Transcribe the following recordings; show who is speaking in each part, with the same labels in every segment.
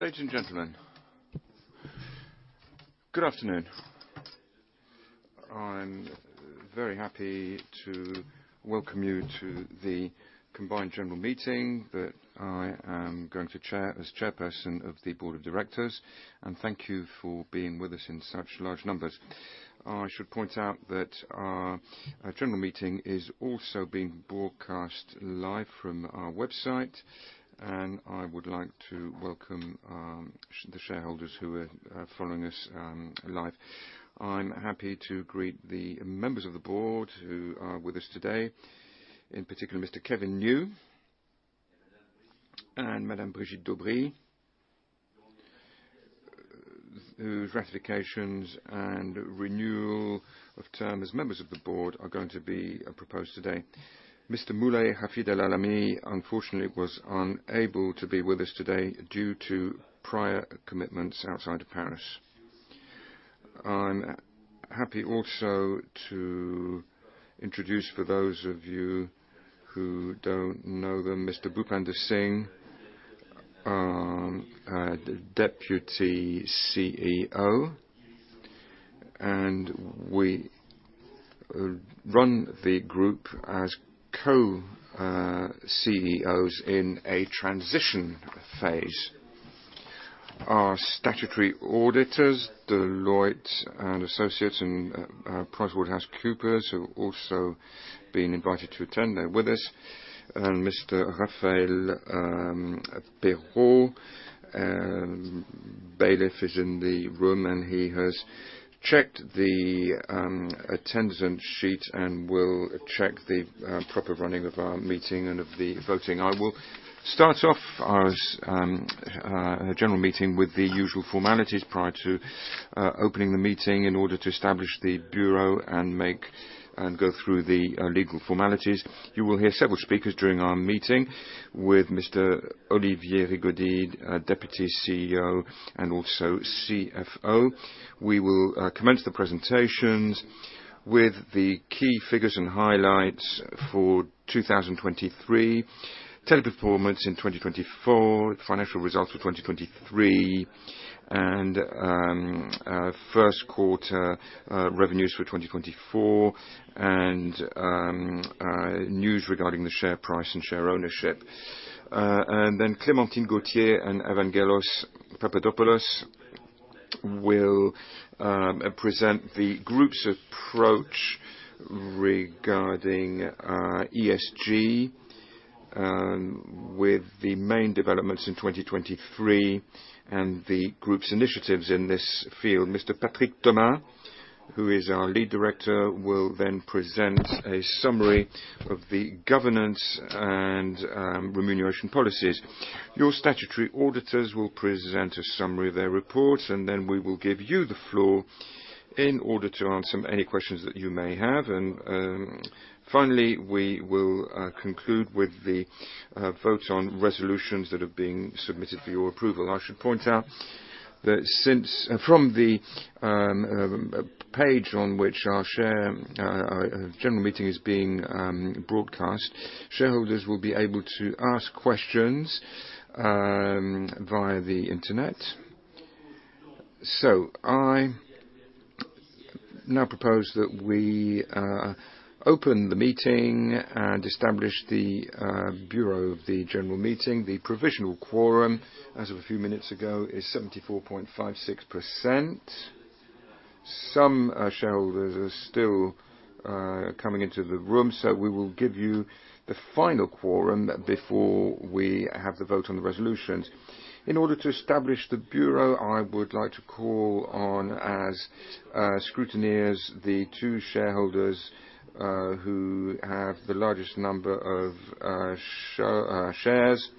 Speaker 1: Ladies and gentlemen, good afternoon. I'm very happy to welcome you to the combined General Meeting that I am going to chair as chairperson of the Board of Directors, and thank you for being with us in such large numbers. I should point out that our, our General Meeting is also being broadcast live from our website, and I would like to welcome, the shareholders who are, are following us, live. I'm happy to greet the members of the board who are with us today, in particular, Mr. Kevin Nazemi and Madame Brigitte Daubry, whose ratifications and renewal of term as members of the board are going to be, proposed today. Mr. Moulay Hafid Elalamy, unfortunately, was unable to be with us today due to prior commitments outside of Paris. I'm happy also to introduce, for those of you who don't know them, Mr. Bhupinder Singh, the Deputy CEO, and we run the group as co-CEOs in a transition phase. Our statutory auditors, Deloitte & Associés and PricewaterhouseCoopers, have also been invited to attend. They're with us. Mr. Raphaël Perrot, bailiff, is in the room, and he has checked the attendance sheet and will check the proper running of our meeting and of the voting. I will start off our General Meeting with the usual formalities prior to opening the meeting in order to establish the bureau and go through the legal formalities. You will hear several speakers during our meeting, with Mr. Olivier Rigaudy, Deputy CEO and also CFO. We will commence the presentations with the key figures and highlights for 2023, Teleperformance in 2024, financial results for 2023, and first quarter revenues for 2024, and news regarding the share price and share ownership. Then Clémentine Gauthier and Evangelos Papadopoulos will present the group's approach regarding ESG, with the main developments in 2023 and the group's initiatives in this field. Mr. Patrick Thomas, who is our lead director, will then present a summary of the governance and remuneration policies. Your statutory auditors will present a summary of their reports, and then we will give you the floor in order to answer any questions that you may have. Finally, we will conclude with the vote on resolutions that have been submitted for your approval. I should point out that from the page on which our shareholders' General Meeting is being broadcast, shareholders will be able to ask questions via the internet. So I now propose that we open the meeting and establish the bureau of the General Meeting. The provisional quorum, as of a few minutes ago, is 74.56%. Some shareholders are still coming into the room, so we will give you the final quorum before we have the vote on the resolutions. In order to establish the bureau, I would like to call on as scrutineers the two shareholders who have the largest number of shares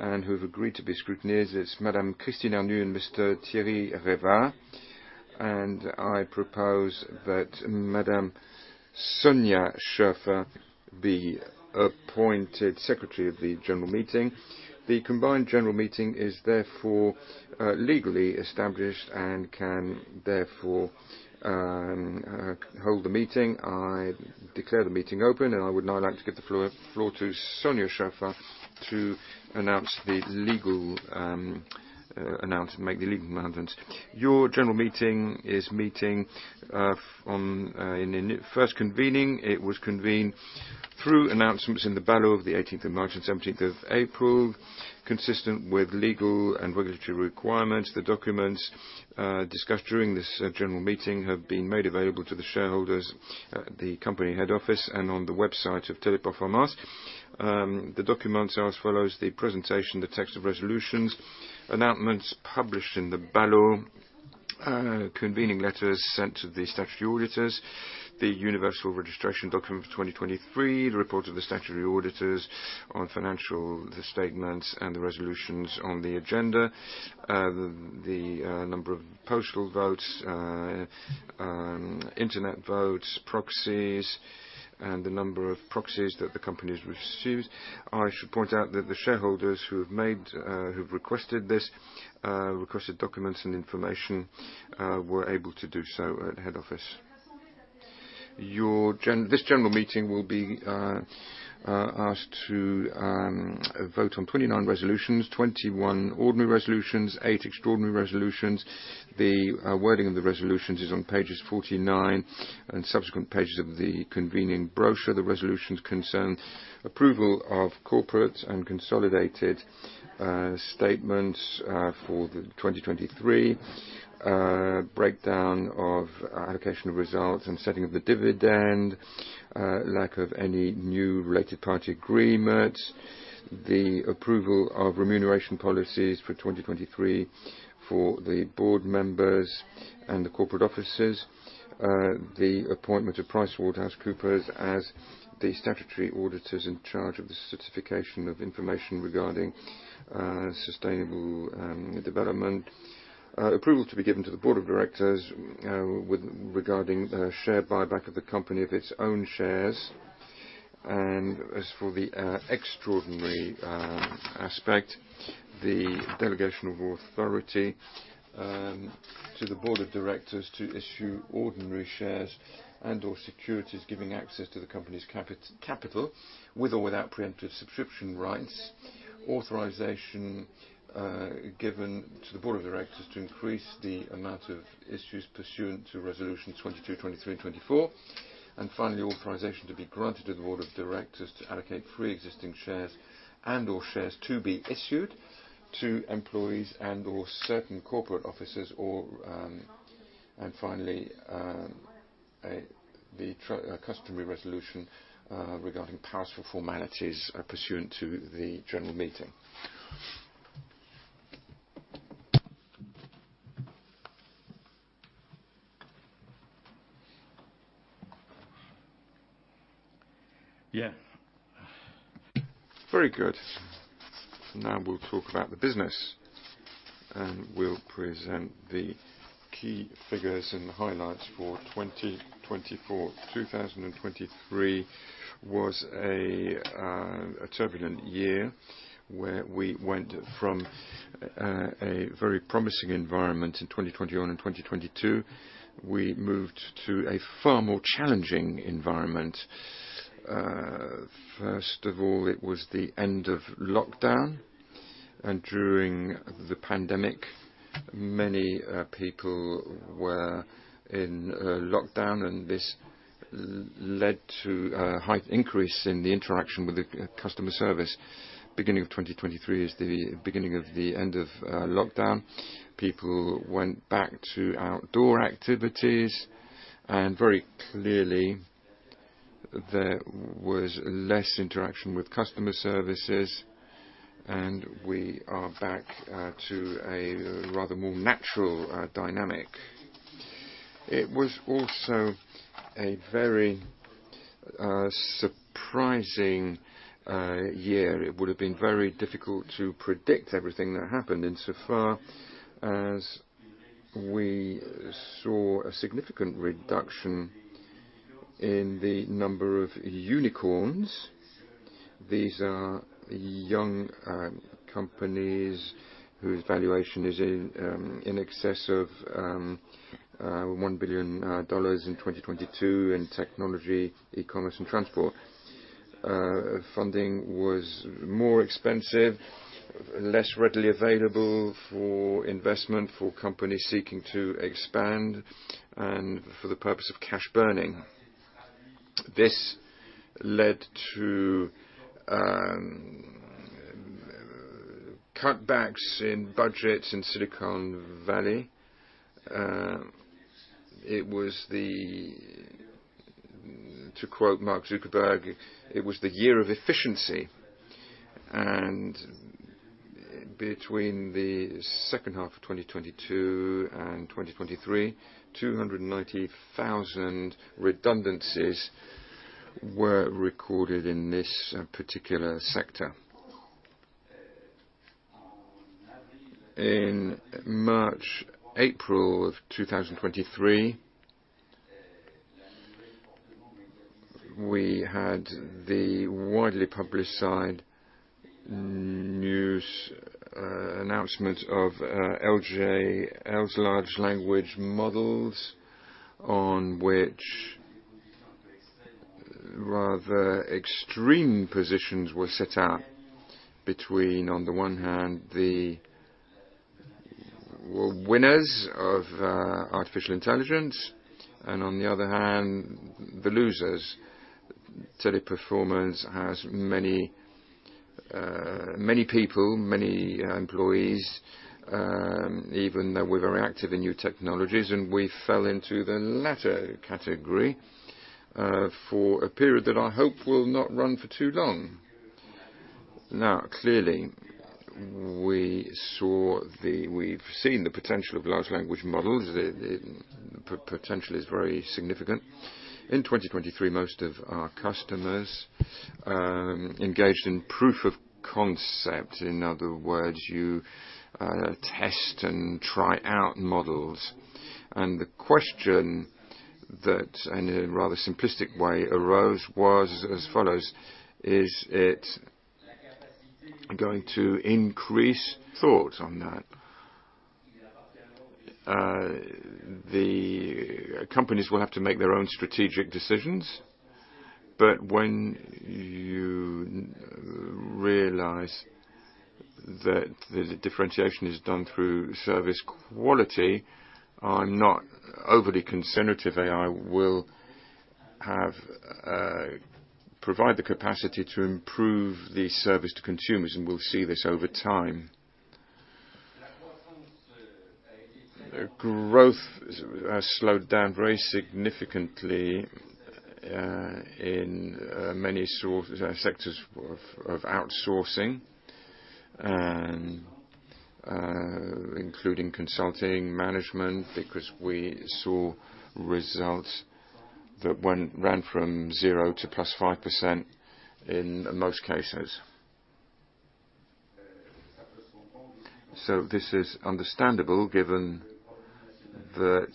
Speaker 1: and who have agreed to be scrutineers. It's Madame Christine Arnoult and Mr. Thierry Revah. I propose that Madame Sonia Schaeffer be appointed secretary of the General Meeting. The combined General Meeting is therefore legally established and can therefore hold the meeting. I declare the meeting open, and I would now like to give the floor to Sonia Schaefer to make the legal announcements. Your General Meeting is meeting on in the first convening. It was convened through announcements in the BALO of the eighteenth of March and seventeenth of April, consistent with legal and regulatory requirements. The documents discussed during this General Meeting have been made available to the shareholders at the company head office and on the website of Teleperformance. The documents are as follows: the presentation, the text of resolutions, announcements published in the BALO, convening letters sent to the statutory auditors, the Universal Registration Document for 2023, the report of the statutory auditors on financial statements, and the resolutions on the agenda, the number of postal votes, internet votes, proxies, and the number of proxies that the company has received. I should point out that the shareholders who have made, who've requested this, requested documents and information, were able to do so at head office. This General Meeting will be asked to vote on 29 resolutions, 21 ordinary resolutions, 8 extraordinary resolutions. The wording of the resolutions is on pages 49 and subsequent pages of the convening brochure. The resolutions concern approval of corporate and consolidated statements for the 2023 breakdown of allocation of results, and setting up the dividend, lack of any new related party agreements, the approval of remuneration policies for 2023 for the board members and the corporate officers, the appointment of PricewaterhouseCoopers as the statutory auditors in charge of the certification of information regarding sustainable development. Approval to be given to the Board of Directors with regarding the share buyback of the company of its own shares. As for the extraordinary aspect, the delegation of authority to the Board of Directors to issue ordinary shares and/or securities, giving access to the company's capital, with or without pre-emptive subscription rights. Authorization given to the Board of Directors to increase the amount of issues pursuant to resolutions 22, 23, and 24. And finally, authorization to be granted to the Board of Directors to allocate free existing shares and/or shares to be issued, to employees and/or certain corporate officers or. And finally, the customary resolution regarding powers for formalities pursuant to the General Meeting. Yeah. Very good. Now, we'll talk about the business, and we'll present the key figures and the highlights for 2024. 2023 was a turbulent year, where we went from a very promising environment in 2021 and 2022, we moved to a far more challenging environment. First of all, it was the end of lockdown, and during the pandemic, many people were in lockdown, and this led to a high increase in the interaction with the customer service. Beginning of 2023 is the beginning of the end of lockdown. People went back to outdoor activities, and very clearly, there was less interaction with customer services, and we are back to a rather more natural dynamic. It was also a very surprising year. It would have been very difficult to predict everything that happened, insofar as we saw a significant reduction in the number of unicorns. These are young companies whose valuation is in excess of $1 billion in 2022 in technology, e-commerce, and transport. Funding was more expensive, less readily available for investment, for companies seeking to expand, and for the purpose of cash burning. This led to cutbacks in budgets in Silicon Valley. It was the... To quote Mark Zuckerberg, "It was the year of efficiency." And between the second half of 2022 and 2023, 290,000 redundancies were recorded in this particular sector. In March, April of 2023, we had the widely published side news announcement of LLM, Large Language Models, on which rather extreme positions were set out between, on the one hand, the winners of artificial intelligence, and on the other hand, the losers. Teleperformance has many, many people, many employees, even though we're very active in new technologies, and we fell into the latter category, for a period that I hope will not run for too long. Now, clearly, we've seen the potential of large language models. The potential is very significant. In 2023, most of our customers engaged in proof of concept. In other words, you test and try out models. And the question that, in a rather simplistic way, arose was as follows: Is it going to increase thoughts on that? The companies will have to make their own strategic decisions, but when you realize that the differentiation is done through service quality, I'm not overly conservative. AI will provide the capacity to improve the service to consumers, and we'll see this over time. The growth has slowed down very significantly in many sectors of outsourcing and including consulting, management, because we saw results that ran from 0 to +5% in most cases. So this is understandable, given that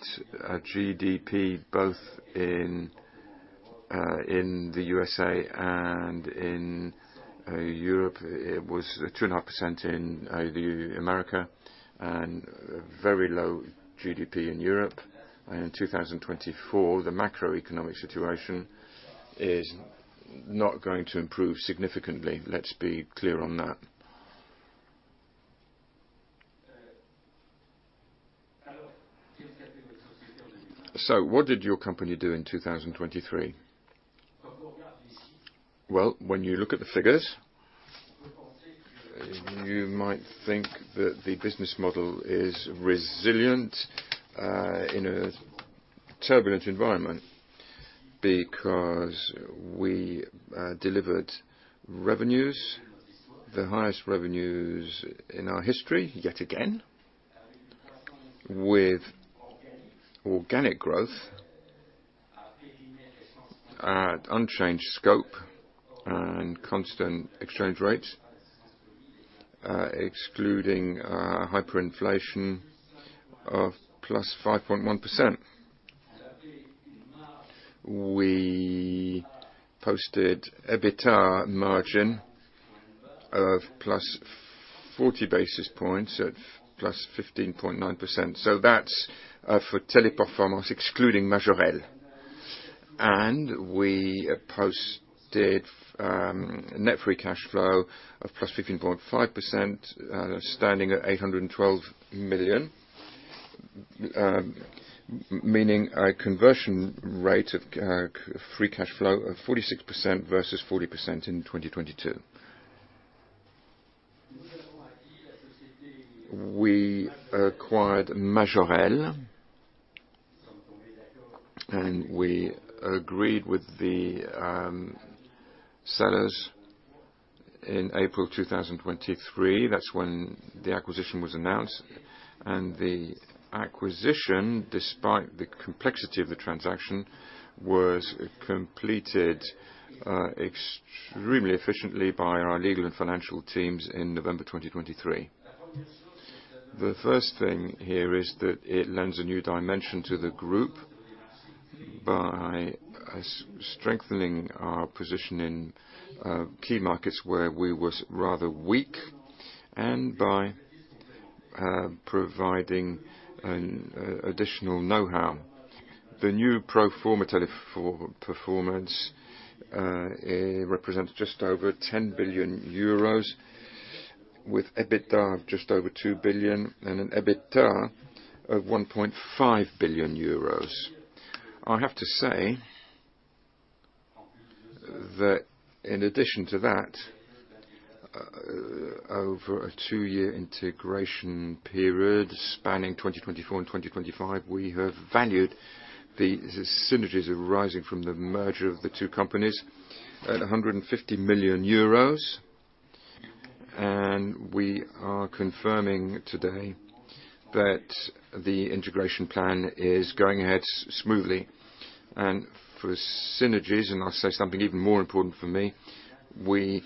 Speaker 1: GDP, both in the USA and in Europe, it was 2.5% in America, and very low GDP in Europe. In 2024, the macroeconomic situation is not going to improve significantly. Let's be clear on that. So what did your company do in 2023? Well, when you look at the figures, you might think that the business model is resilient, in a turbulent environment, because we delivered revenues, the highest revenues in our history, yet again, with organic growth, unchanged scope and constant exchange rates, excluding hyperinflation of +5.1%. We posted EBITDA margin of +40 basis points, at +15.9%. So that's for Teleperformance, excluding Majorel. And we posted net free cash flow of +15.5%, standing at EUR 812 million, meaning a conversion rate of free cash flow of 46% versus 40% in 2022. We acquired Majorel, and we agreed with the sellers in April 2023. That's when the acquisition was announced, and the acquisition, despite the complexity of the transaction, was completed extremely efficiently by our legal and financial teams in November 2023. The first thing here is that it lends a new dimension to the group by strengthening our position in key markets where we was rather weak, and by providing an additional know-how. The new pro forma Teleperformance, it represents just over 10 billion euros, with EBITDA of just over 2 billion and an EBITDA of 1.5 billion euros. I have to say that in addition to that, over a two-year integration period spanning 2024 and 2025, we have valued the synergies arising from the merger of the two companies at 150 million euros. We are confirming today that the integration plan is going ahead smoothly. For synergies, and I'll say something even more important for me, we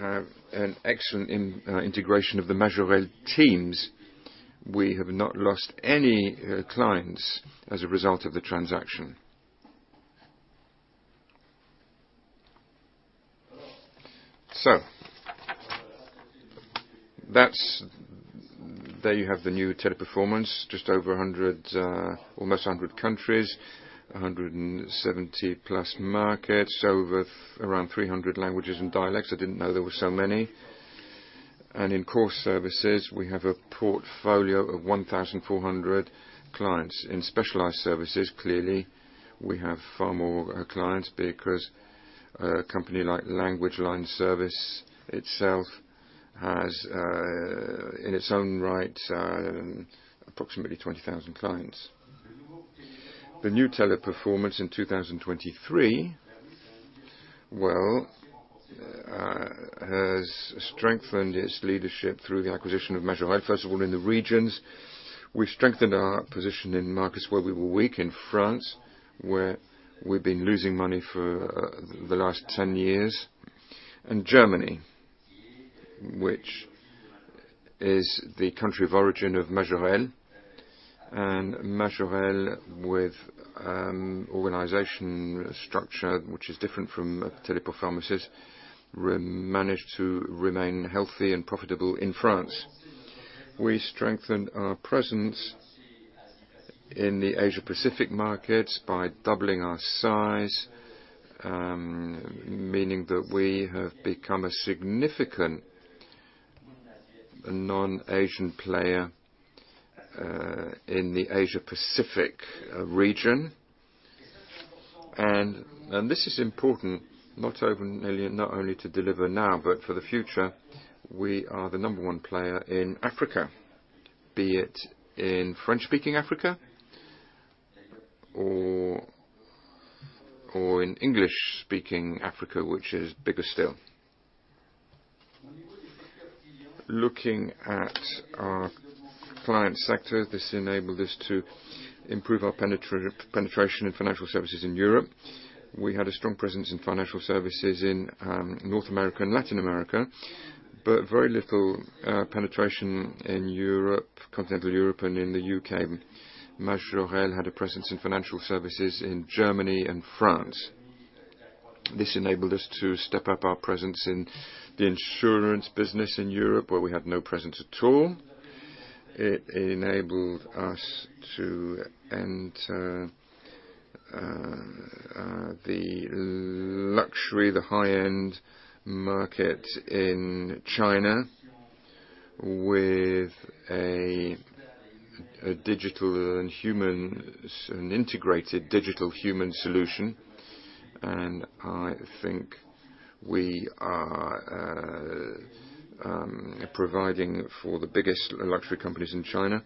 Speaker 1: have an excellent integration of the Majorel teams. We have not lost any clients as a result of the transaction. So that's. There you have the new Teleperformance, just over 100, almost 100 countries, 170+ markets, over around 300 languages and dialects. I didn't know there were so many. In core services, we have a portfolio of 1,400 clients. In specialized services, clearly, we have far more clients because a company like LanguageLine Solutions itself has, in its own right, approximately 20,000 clients. The new Teleperformance in 2023, well, has strengthened its leadership through the acquisition of Majorel. First of all, in the regions, we strengthened our position in markets where we were weak, in France, where we've been losing money for the last 10 years, and Germany, which is the country of origin of Majorel. And Majorel with organization structure, which is different from Teleperformance's, managed to remain healthy and profitable in France. We strengthened our presence in the Asia-Pacific markets by doubling our size, meaning that we have become a significant non-Asian player in the Asia-Pacific region. And this is important, not over merely, not only to deliver now, but for the future, we are the number one player in Africa, be it in French-speaking Africa or in English-speaking Africa, which is bigger still. Looking at our client sector, this enabled us to improve our penetration in financial services in Europe. We had a strong presence in financial services in North America and Latin America, but very little penetration in Europe, continental Europe, and in the UK. Majorel had a presence in financial services in Germany and France. This enabled us to step up our presence in the insurance business in Europe, where we had no presence at all. It enabled us to enter the luxury, the high-end market in China with a digital and human, an integrated digital human solution. And I think we are providing for the biggest luxury companies in China,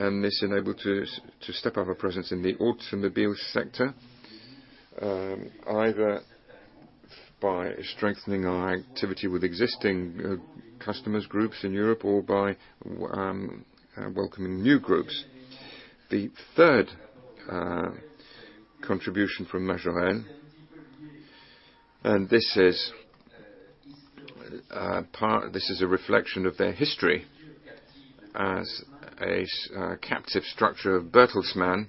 Speaker 1: and this enabled to step up our presence in the automobile sector, either by strengthening our activity with existing customers groups in Europe or by welcoming new groups. The third contribution from Majorel, and this is a reflection of their history as a captive structure of Bertelsmann.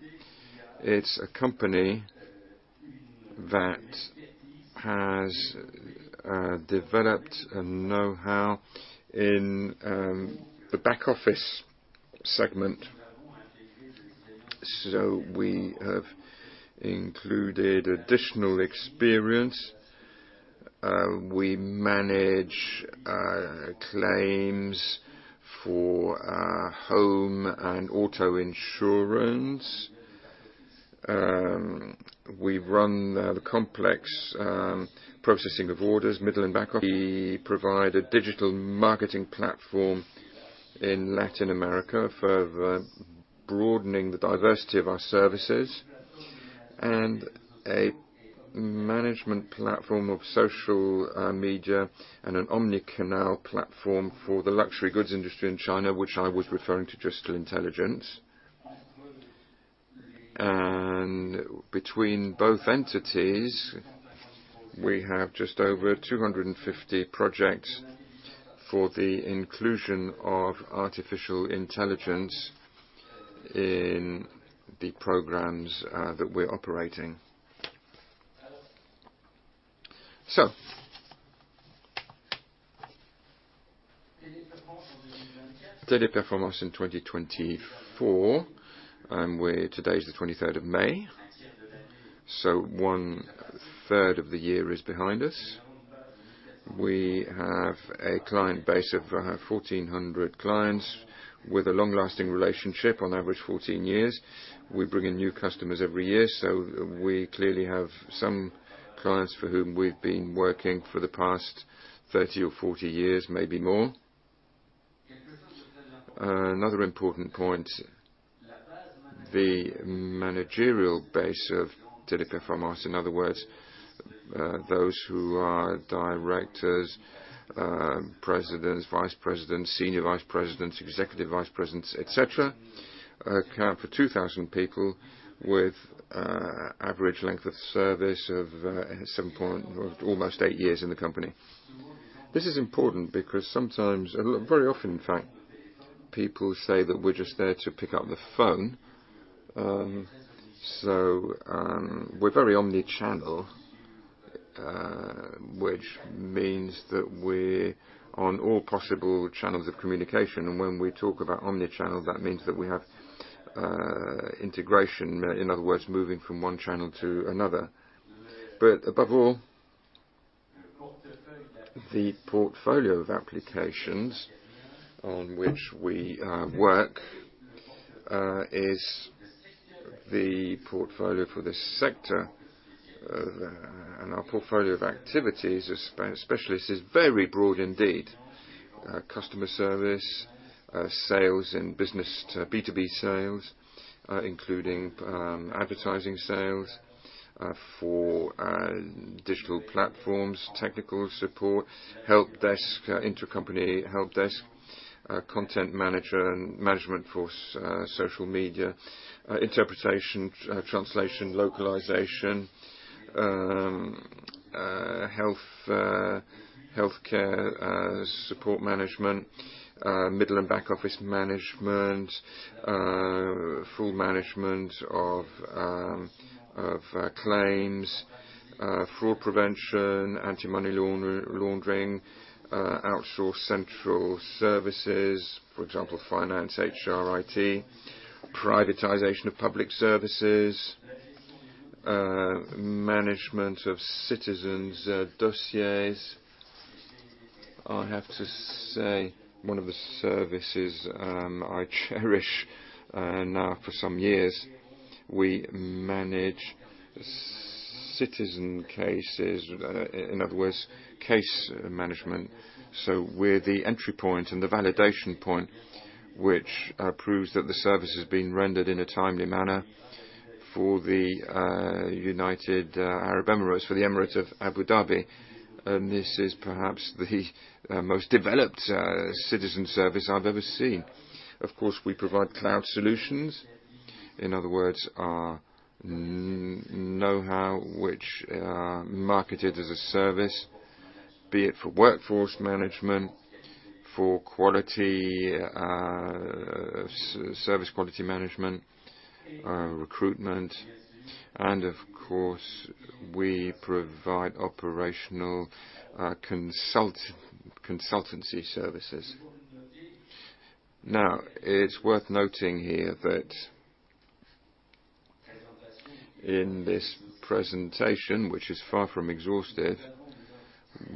Speaker 1: It's a company that has developed a know-how in the back-office segment. So we have included additional experience. We manage claims for home and auto insurance. We run the complex processing of orders, middle- and back-office. We provide a digital marketing platform in Latin America for broadening the diversity of our services, and a management platform of social media and an omni-channel platform for the luxury goods industry in China, which I was referring to just intelligence. And between both entities, we have just over 250 projects for the inclusion of artificial intelligence in the programs that we're operating. So... Teleperformance in 2024. Today is the twenty-third of May, so one-third of the year is behind us. We have a client base of 1,400 clients with a long-lasting relationship, on average 14 years. We bring in new customers every year, so we clearly have some clients for whom we've been working for the past 30 or 40 years, maybe more. Another important point, the managerial base of Teleperformance, in other words, those who are directors, presidents, vice presidents, senior vice presidents, executive vice presidents, et cetera, account for 2,000 people with average length of service of seven point almost 8 years in the company. This is important because sometimes, very often, in fact, people say that we're just there to pick up the phone. So, we're very omni-channel, which means that we're on all possible channels of communication. And when we talk about omni-channel, that means that we have integration, in other words, moving from one channel to another. But above all, the portfolio of applications on which we work is the portfolio for this sector, and our portfolio of activities, especially, is very broad indeed. Customer service, sales and business, B2B sales, including advertising sales for digital platforms, technical support, help desk, intercompany help desk, content manager and management for social media. interpretation, translation, localization, healthcare support management, middle and back office management, full management of claims, fraud prevention, anti-money laundering, outsource central services, for example, finance, HR, IT, privatization of public services, management of citizens, dossiers. I have to say, one of the services I cherish now for some years, we manage citizen cases, in other words, case management. So we're the entry point and the validation point, which proves that the service is being rendered in a timely manner for the United Arab Emirates, for the Emirate of Abu Dhabi. And this is perhaps the most developed citizen service I've ever seen. Of course, we provide cloud solutions. In other words, our know-how, which are marketed as a service, be it for workforce management, for quality, service quality management, recruitment, and of course, we provide operational, consultancy services. Now, it's worth noting here that in this presentation, which is far from exhaustive,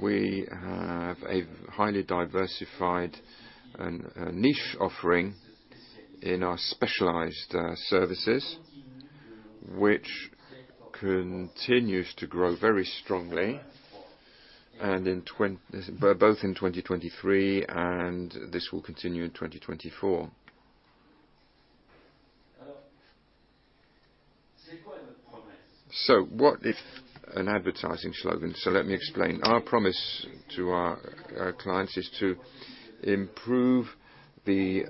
Speaker 1: we have a highly diversified and niche offering in our specialized services, which continues to grow very strongly, and both in 2023, and this will continue in 2024. So what if an advertising slogan? So let me explain. Our promise to our, our clients is to improve the,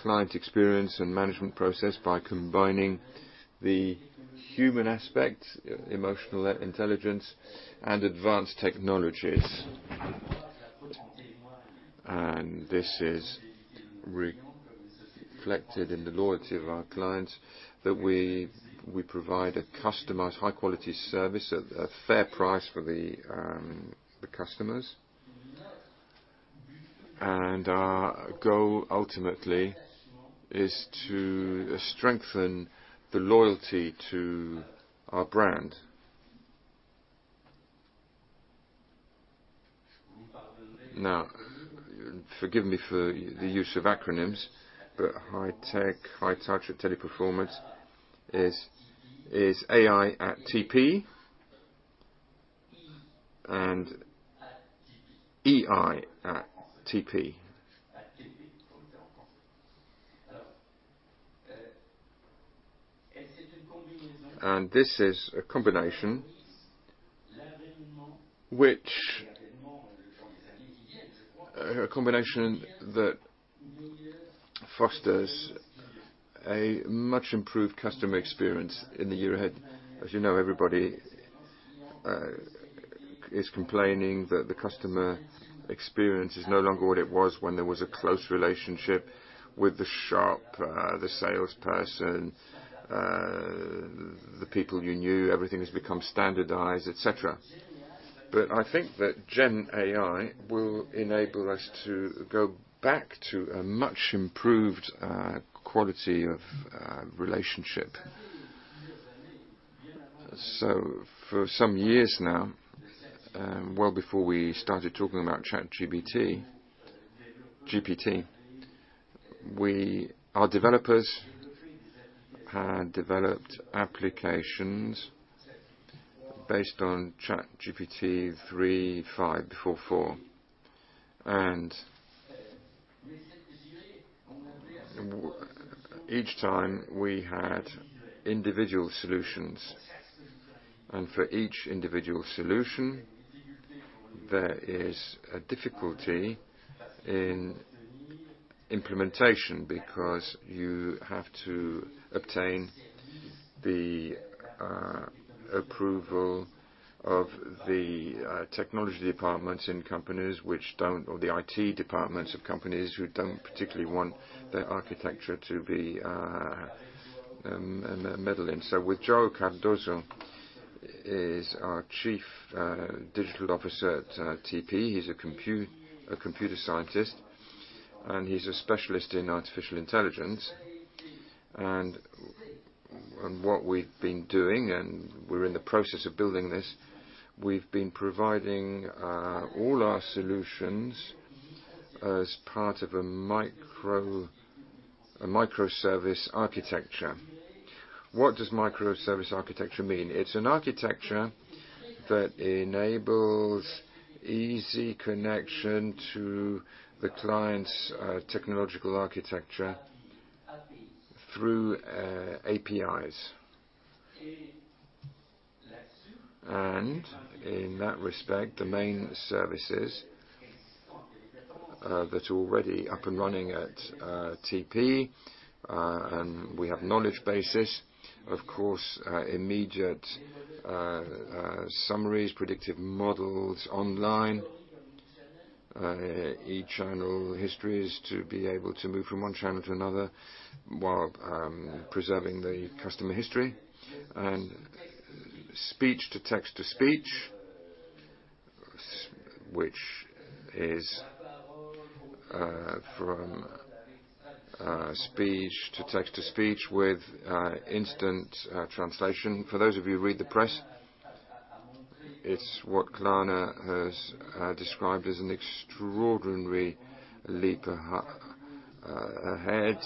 Speaker 1: client experience and management process by combining the human aspect, emotional intelligence, and advanced technologies. And this is reflected in the loyalty of our clients, that we, we provide a customized, high-quality service at a fair price for the, the customers. Our goal, ultimately, is to strengthen the loyalty to our brand. Now, forgive me for the use of acronyms, but High Tech, High Touch of Teleperformance is AI at TP and EI at TP. And this is a combination that fosters a much improved customer experience in the year ahead. As you know, everybody is complaining that the customer experience is no longer what it was when there was a close relationship with the shop, the salesperson, the people you knew, everything has become standardized, et cetera. But I think that Gen AI will enable us to go back to a much improved quality of relationship. So for some years now, well before we started talking about ChatGPT, GPT, our developers had developed applications based on ChatGPT 3.5, before 4. Each time we had individual solutions, and for each individual solution, there is a difficulty in implementation because you have to obtain the approval of the technology departments in companies which don't... or the IT departments of companies who don't particularly want their architecture to be meddled in. So with João Cardoso is our Chief Digital Officer at TP. He's a computer scientist, and he's a specialist in artificial intelligence. And what we've been doing, and we're in the process of building this, we've been providing all our solutions as part of a microservice architecture. What does microservice architecture mean? It's an architecture that enables easy connection to the client's technological architecture through APIs. In that respect, the main services that are already up and running at TP, and we have knowledge bases. Of course, immediate summaries, predictive models online, e-channel histories, to be able to move from one channel to another, while preserving the customer history. Speech-to-text-to-speech, which is from speech-to-text-to-speech with instant translation. For those of you who read the press, it's what Klarna has described as an extraordinary leap ahead,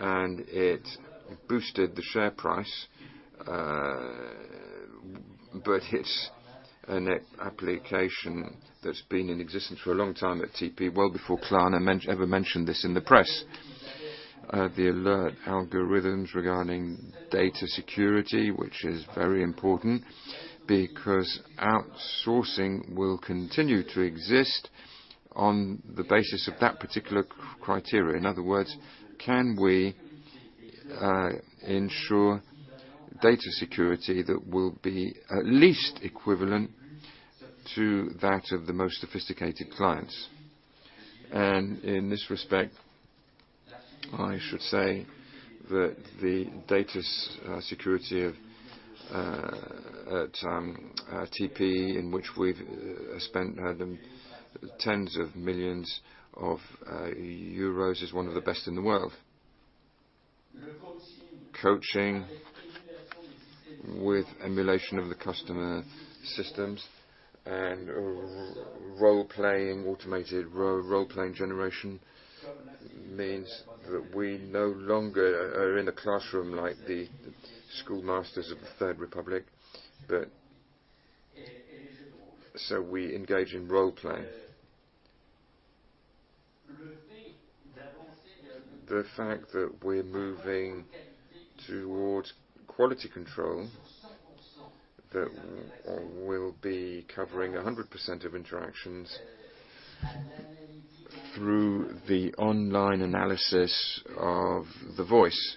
Speaker 1: and it boosted the share price. But it's an application that's been in existence for a long time at TP, well before Klarna ever mentioned this in the press. The alert algorithms regarding data security, which is very important because outsourcing will continue to exist on the basis of that particular criteria. In other words, can we ensure data security that will be at least equivalent to that of the most sophisticated clients? And in this respect, I should say that the data security at TP, in which we've spent tens of millions of EUR, is one of the BEST in the world. Coaching with emulation of the customer systems and role-playing, automated role-playing generation, means that we no longer are in a classroom like the schoolmasters of the Third Republic, but so we engage in role-play. The fact that we're moving towards quality control, that we'll be covering 100% of interactions through the online analysis of the voice,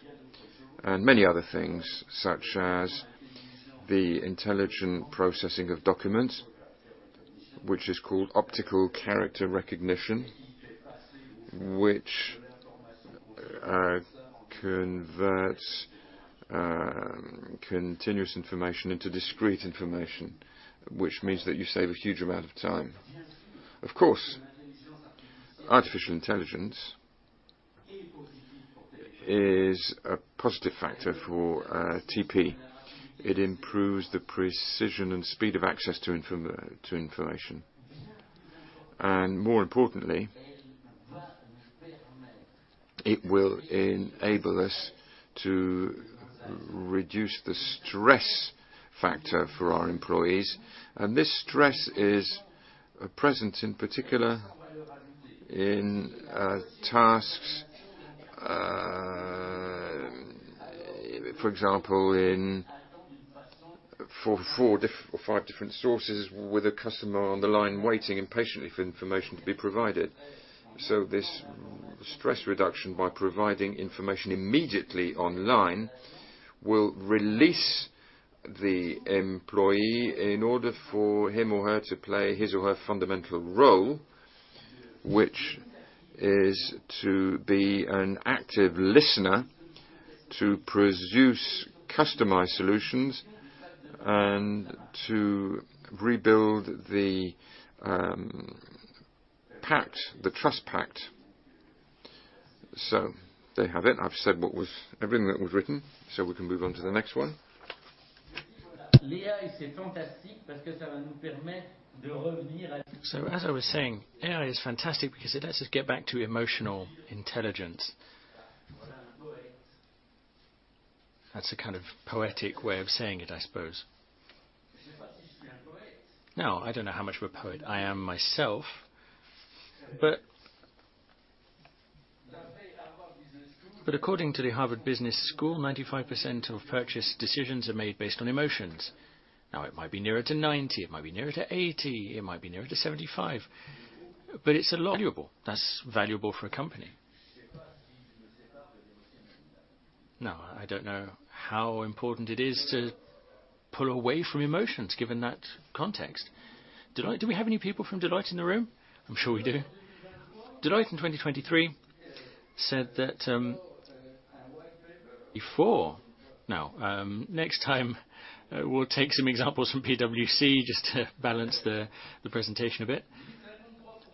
Speaker 1: and many other things, such as the intelligent processing of documents, which is called optical character recognition. Which converts continuous information into discrete information, which means that you save a huge amount of time. Of course, artificial intelligence is a positive factor for TP. It improves the precision and speed of access to information. And more importantly, it will enable us to reduce the stress factor for our employees, and this stress is present, in particular, in tasks, for example, in four or five different sources, with a customer on the line waiting impatiently for information to be provided. So this stress reduction by providing information immediately online will release the employee in order for him or her to play his or her fundamental role, which is to be an active listener, to produce customized solutions, and to rebuild the pact, the trust pact. So there you have it. I've said what was... Everything that was written, so we can move on to the next one.
Speaker 2: So as I was saying, AI is fantastic because it lets us get back to emotional intelligence. That's a kind of poetic way of saying it, I suppose. Now, I don't know how much of a poet I am myself, but, but according to the Harvard Business School, 95% of purchase decisions are made based on emotions. Now, it might be nearer to 90, it might be nearer to 80, it might be nearer to 75, but it's a lot. Valuable, that's valuable for a company. Now, I don't know how important it is to pull away from emotions, given that context. Deloitte, do we have any people from Deloitte in the room? I'm sure we do. Deloitte in 2023 said that, before... Now, next time, we'll take some examples from PwC just to balance the, the presentation a bit.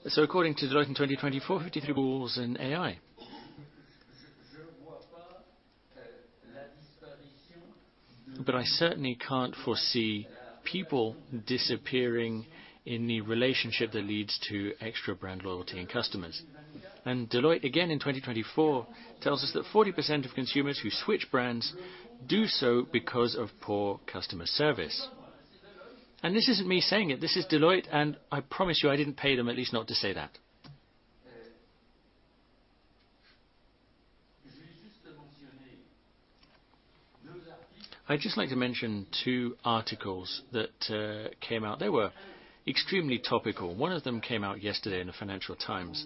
Speaker 2: So according to Deloitte in 2024, 53 rules in AI. But I certainly can't foresee people disappearing in the relationship that leads to extra brand loyalty in customers. And Deloitte, again, in 2024, tells us that 40% of consumers who switch brands do so because of poor customer service. And this isn't me saying it, this is Deloitte, and I promise you, I didn't pay them, at least not to say that.... I'd just like to mention 2 articles that came out. They were extremely topical. One of them came out yesterday in the Financial Times.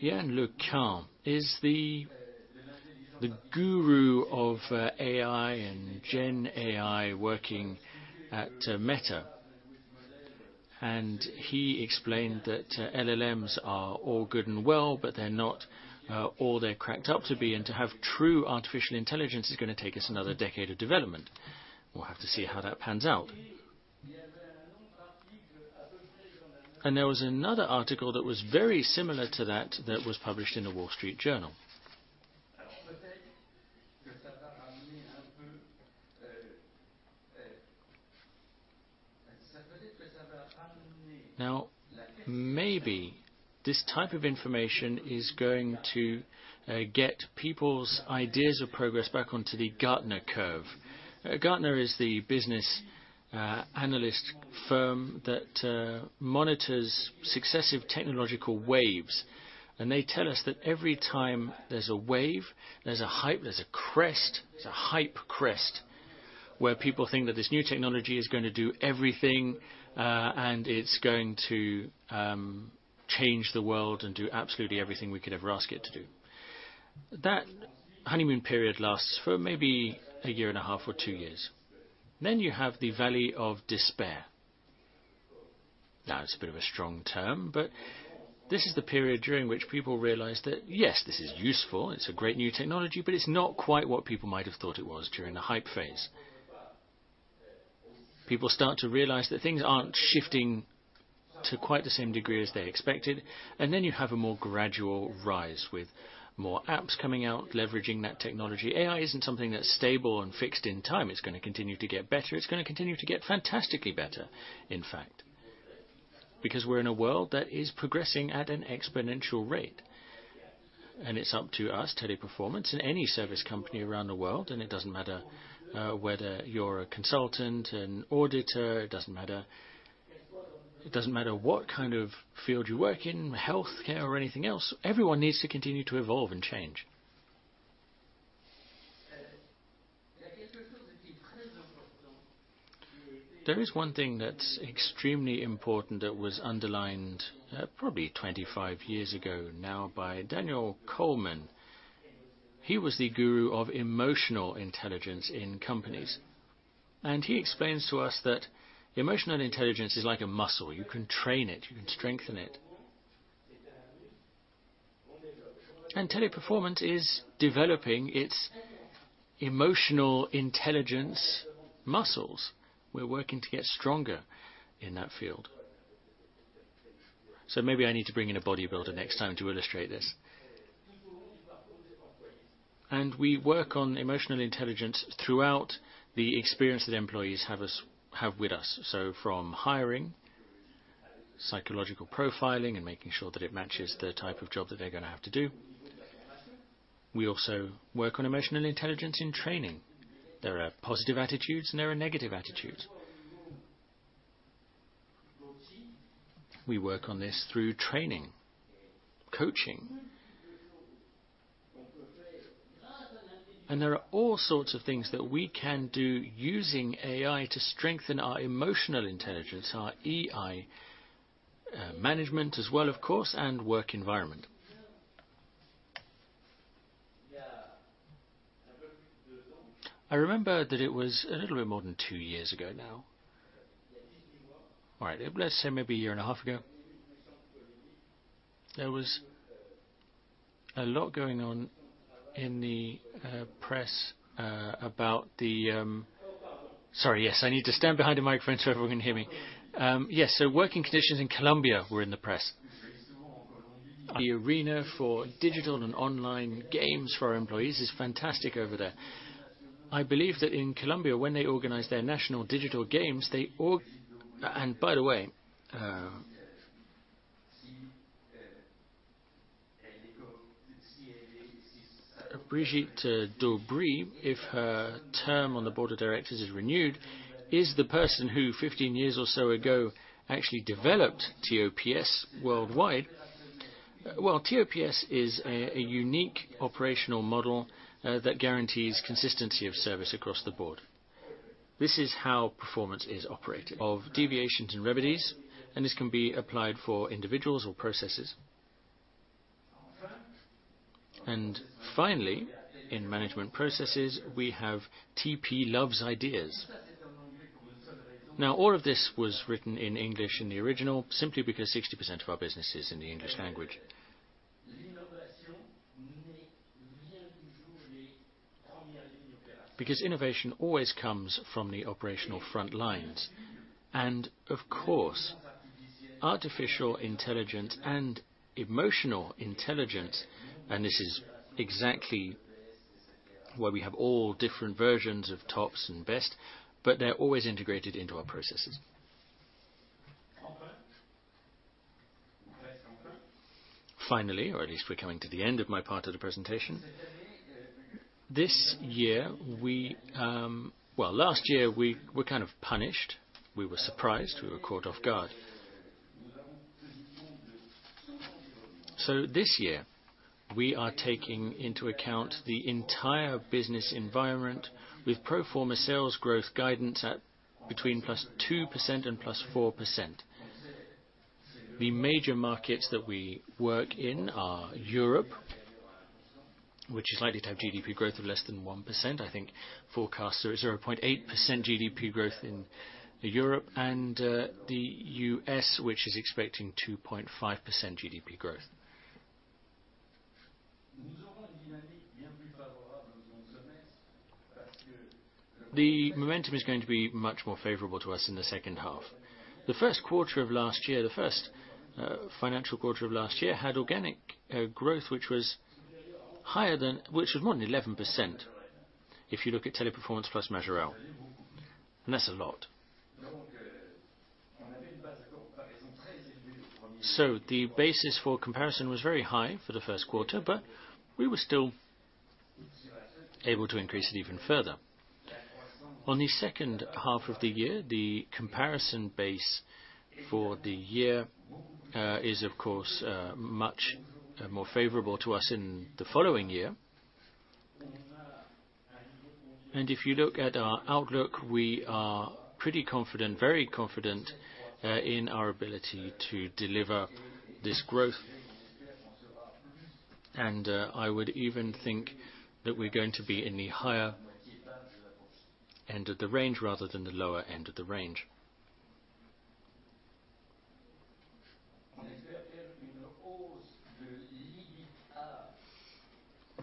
Speaker 2: Yann LeCun is the guru of AI and Gen AI, working at Meta. And he explained that LLMs are all good and well, but they're not all they're cracked up to be. And to have true artificial intelligence is gonna take us another decade of development. We'll have to see how that pans out. There was another article that was very similar to that, that was published in The Wall Street Journal. Now, maybe this type of information is going to get people's ideas of progress back onto the Gartner curve. Gartner is the business analyst firm that monitors successive technological waves, and they tell us that every time there's a wave, there's a hype, there's a crest, there's a hype crest, where people think that this new technology is going to do everything, and it's going to change the world and do absolutely everything we could ever ask it to do. That honeymoon period lasts for maybe a year and a half or two years. Then you have the valley of despair. Now, it's a bit of a strong term, but this is the period during which people realize that, yes, this is useful, it's a great new technology, but it's not quite what people might have thought it was during the hype phase. People start to realize that things aren't shifting to quite the same degree as they expected, and then you have a more gradual rise, with more apps coming out, leveraging that technology. AI isn't something that's stable and fixed in time. It's gonna continue to get better. It's gonna continue to get fantastically better, in fact, because we're in a world that is progressing at an exponential rate. And it's up to us, Teleperformance, and any service company around the world, and it doesn't matter whether you're a consultant, an auditor, it doesn't matter. It doesn't matter what kind of field you work in, healthcare or anything else, everyone needs to continue to evolve and change. There is one thing that's extremely important that was underlined, probably 25 years ago now by Daniel Goleman. He was the guru of emotional intelligence in companies, and he explains to us that emotional intelligence is like a muscle. You can train it, you can strengthen it. Teleperformance is developing its emotional intelligence muscles. We're working to get stronger in that field. So maybe I need to bring in a bodybuilder next time to illustrate this. We work on emotional intelligence throughout the experience that employees have with us. So from hiring, psychological profiling, and making sure that it matches the type of job that they're gonna have to do. We also work on emotional intelligence in training. There are positive attitudes and there are negative attitudes. We work on this through training, coaching. And there are all sorts of things that we can do using AI to strengthen our emotional intelligence, our EI, management as well, of course, and work environment. I remember that it was a little bit more than two years ago now. All right, let's say maybe a year and a half ago. There was a lot going on in the press about the... Sorry, yes, I need to stand behind the microphone so everyone can hear me. Yes, so working conditions in Colombia were in the press. The arena for digital and online games for our employees is fantastic over there. I believe that in Colombia, when they organize their national digital games, And by the way, Brigitte Daubry, if her term on the Board of Directors is renewed, is the person who, fifteen years or so ago, actually developed TOPS worldwide. Well, TOPS is a unique operational model that guarantees consistency of service across the board. This is how performance is operated, of deviations and remedies, and this can be applied for individuals or processes. And finally, in management processes, we have TP Loves Ideas. Now, all of this was written in English in the original, simply because 60% of our business is in the English language. Because innovation always comes from the operational front lines. Of course, artificial intelligence and emotional intelligence, and this is exactly why we have all different versions of TOPS and best, but they're always integrated into our processes. Finally, or at least we're coming to the end of my part of the presentation. This year, we... Well, last year, we were kind of punished. We were surprised, we were caught off guard. So this year, we are taking into account the entire business environment with pro forma sales growth guidance at between +2% and +4%. The major markets that we work in are Europe, which is likely to have GDP growth of less than 1%. I think forecasters are at 0.8% GDP growth in Europe, and, the U.S., which is expecting 2.5% GDP growth. The momentum is going to be much more favorable to us in the second half. The first quarter of last year, the first, financial quarter of last year, had organic, growth, which was higher than-- which was more than 11%, if you look at Teleperformance plus Majorel, and that's a lot. So the basis for comparison was very high for the first quarter, but we were still able to increase it even further. On the second half of the year, the comparison base for the year, is, of course, much, more favorable to us in the following year. And if you look at our outlook, we are pretty confident, very confident, in our ability to deliver this growth. I would even think that we're going to be in the higher end of the range rather than the lower end of the range.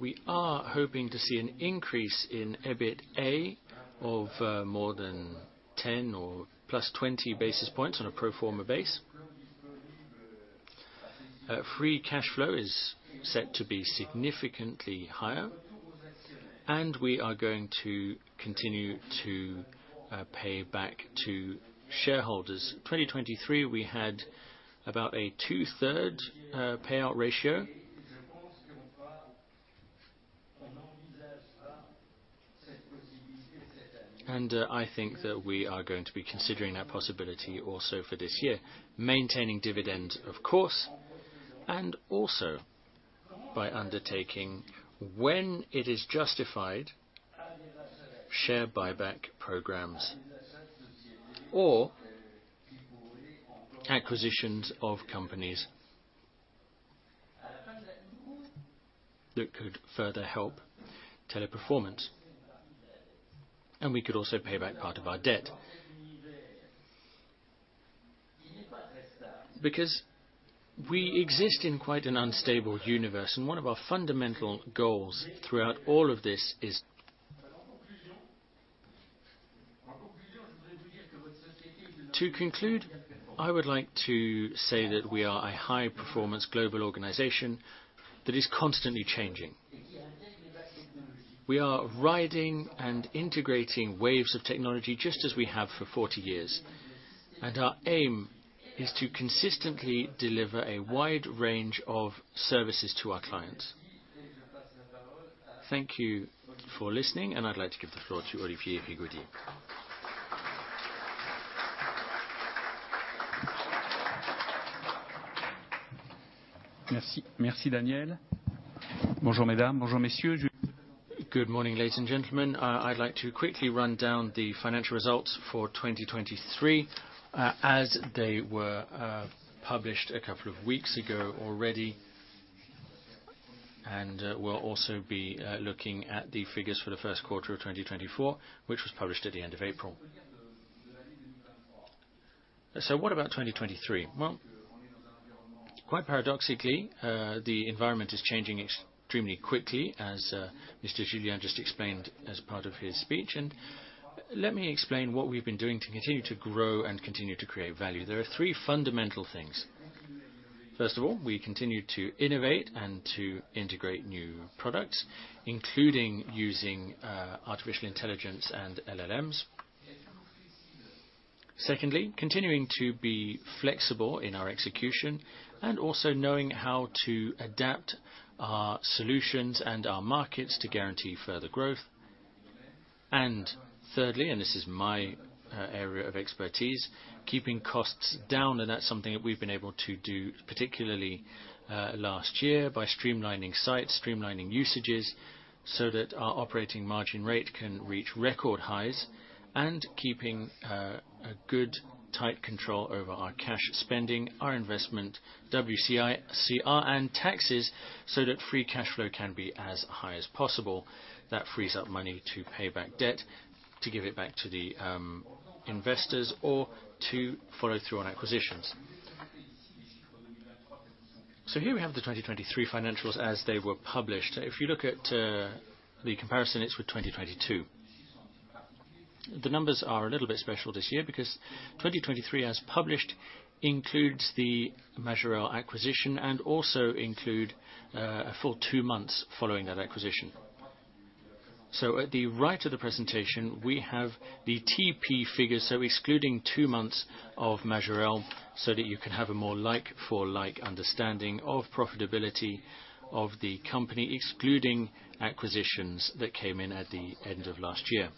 Speaker 2: We are hoping to see an increase in EBITDA of more than 10 or plus 20 basis points on a pro forma base. Free cash flow is set to be significantly higher, and we are going to continue to pay back to shareholders. 2023, we had about a two-thirds payout ratio. I think that we are going to be considering that possibility also for this year, maintaining dividend, of course, and also by undertaking, when it is justified, share buyback programs or acquisitions of companies that could further help Teleperformance, and we could also pay back part of our debt. Because we exist in quite an unstable universe, and one of our fundamental goals throughout all of this is. To conclude, I would like to say that we are a high-performance global organization that is constantly changing. We are riding and integrating waves of technology, just as we have for 40 years, and our aim is to consistently deliver a wide range of services to our clients. Thank you for listening, and I'd like to give the floor to Olivier Rigaudy. Merci. Merci, Daniel. Bonjour, mesdames. Bonjour, messieurs. Good morning, ladies and gentlemen. I'd like to quickly run down the financial results for 2023, as they were published a couple of weeks ago already. And we'll also be looking at the figures for the first quarter of 2024, which was published at the end of April. So what about 2023? Well, quite paradoxically, the environment is changing extremely quickly, as, Mr. Julien just explained as part of his speech, and let me explain what we've been doing to continue to grow and continue to create value. There are three fundamental things. First of all, we continue to innovate and to integrate new products, including using, artificial intelligence and LLMs. Secondly, continuing to be flexible in our execution and also knowing how to adapt our solutions and our markets to guarantee further growth. Thirdly, and this is my area of expertise, keeping costs down, and that's something that we've been able to do, particularly last year, by streamlining sites, streamlining usages, so that our operating margin rate can reach record highs, and keeping a good, tight control over our cash spending, our investment, WCR, and taxes, so that free cash flow can be as high as possible. That frees up money to pay back debt, to give it back to the investors, or to follow through on acquisitions. So here we have the 2023 financials as they were published. If you look at the comparison, it's with 2022. The numbers are a little bit special this year, because 2023, as published, includes the Majorel acquisition and also include a full two months following that acquisition. So at the right of the presentation, we have the TP figures, so excluding two months of Majorel, so that you can have a more like for like understanding of profitability of the company, excluding acquisitions that came in at the end of last year.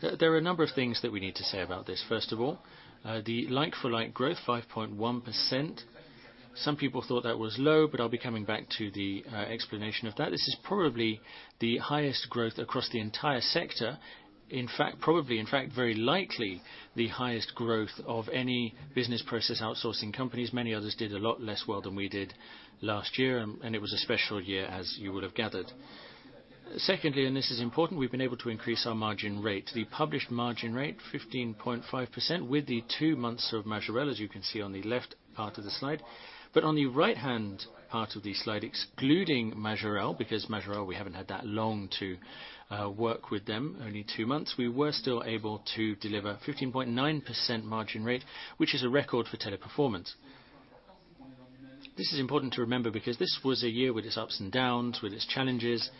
Speaker 2: There, there are a number of things that we need to say about this. First of all, the like-for-like growth, 5.1%. Some people thought that was low, but I'll be coming back to the explanation of that. This is probably the highest growth across the entire sector. In fact, probably, in fact, very likely the highest growth of any business process outsourcing companies. Many others did a lot less well than we did last year, and it was a special year, as you would have gathered. Secondly, and this is important, we've been able to increase our margin rate. The published margin rate 15.5% with the two months of Majorel, as you can see on the left part of the slide. But on the right-hand part of the slide, excluding Majorel, because Majorel, we haven't had that long to work with them, only two months, we were still able to deliver 15.9% margin rate, which is a record for Teleperformance. This is important to remember because this was a year with its ups and downs, with its challenges,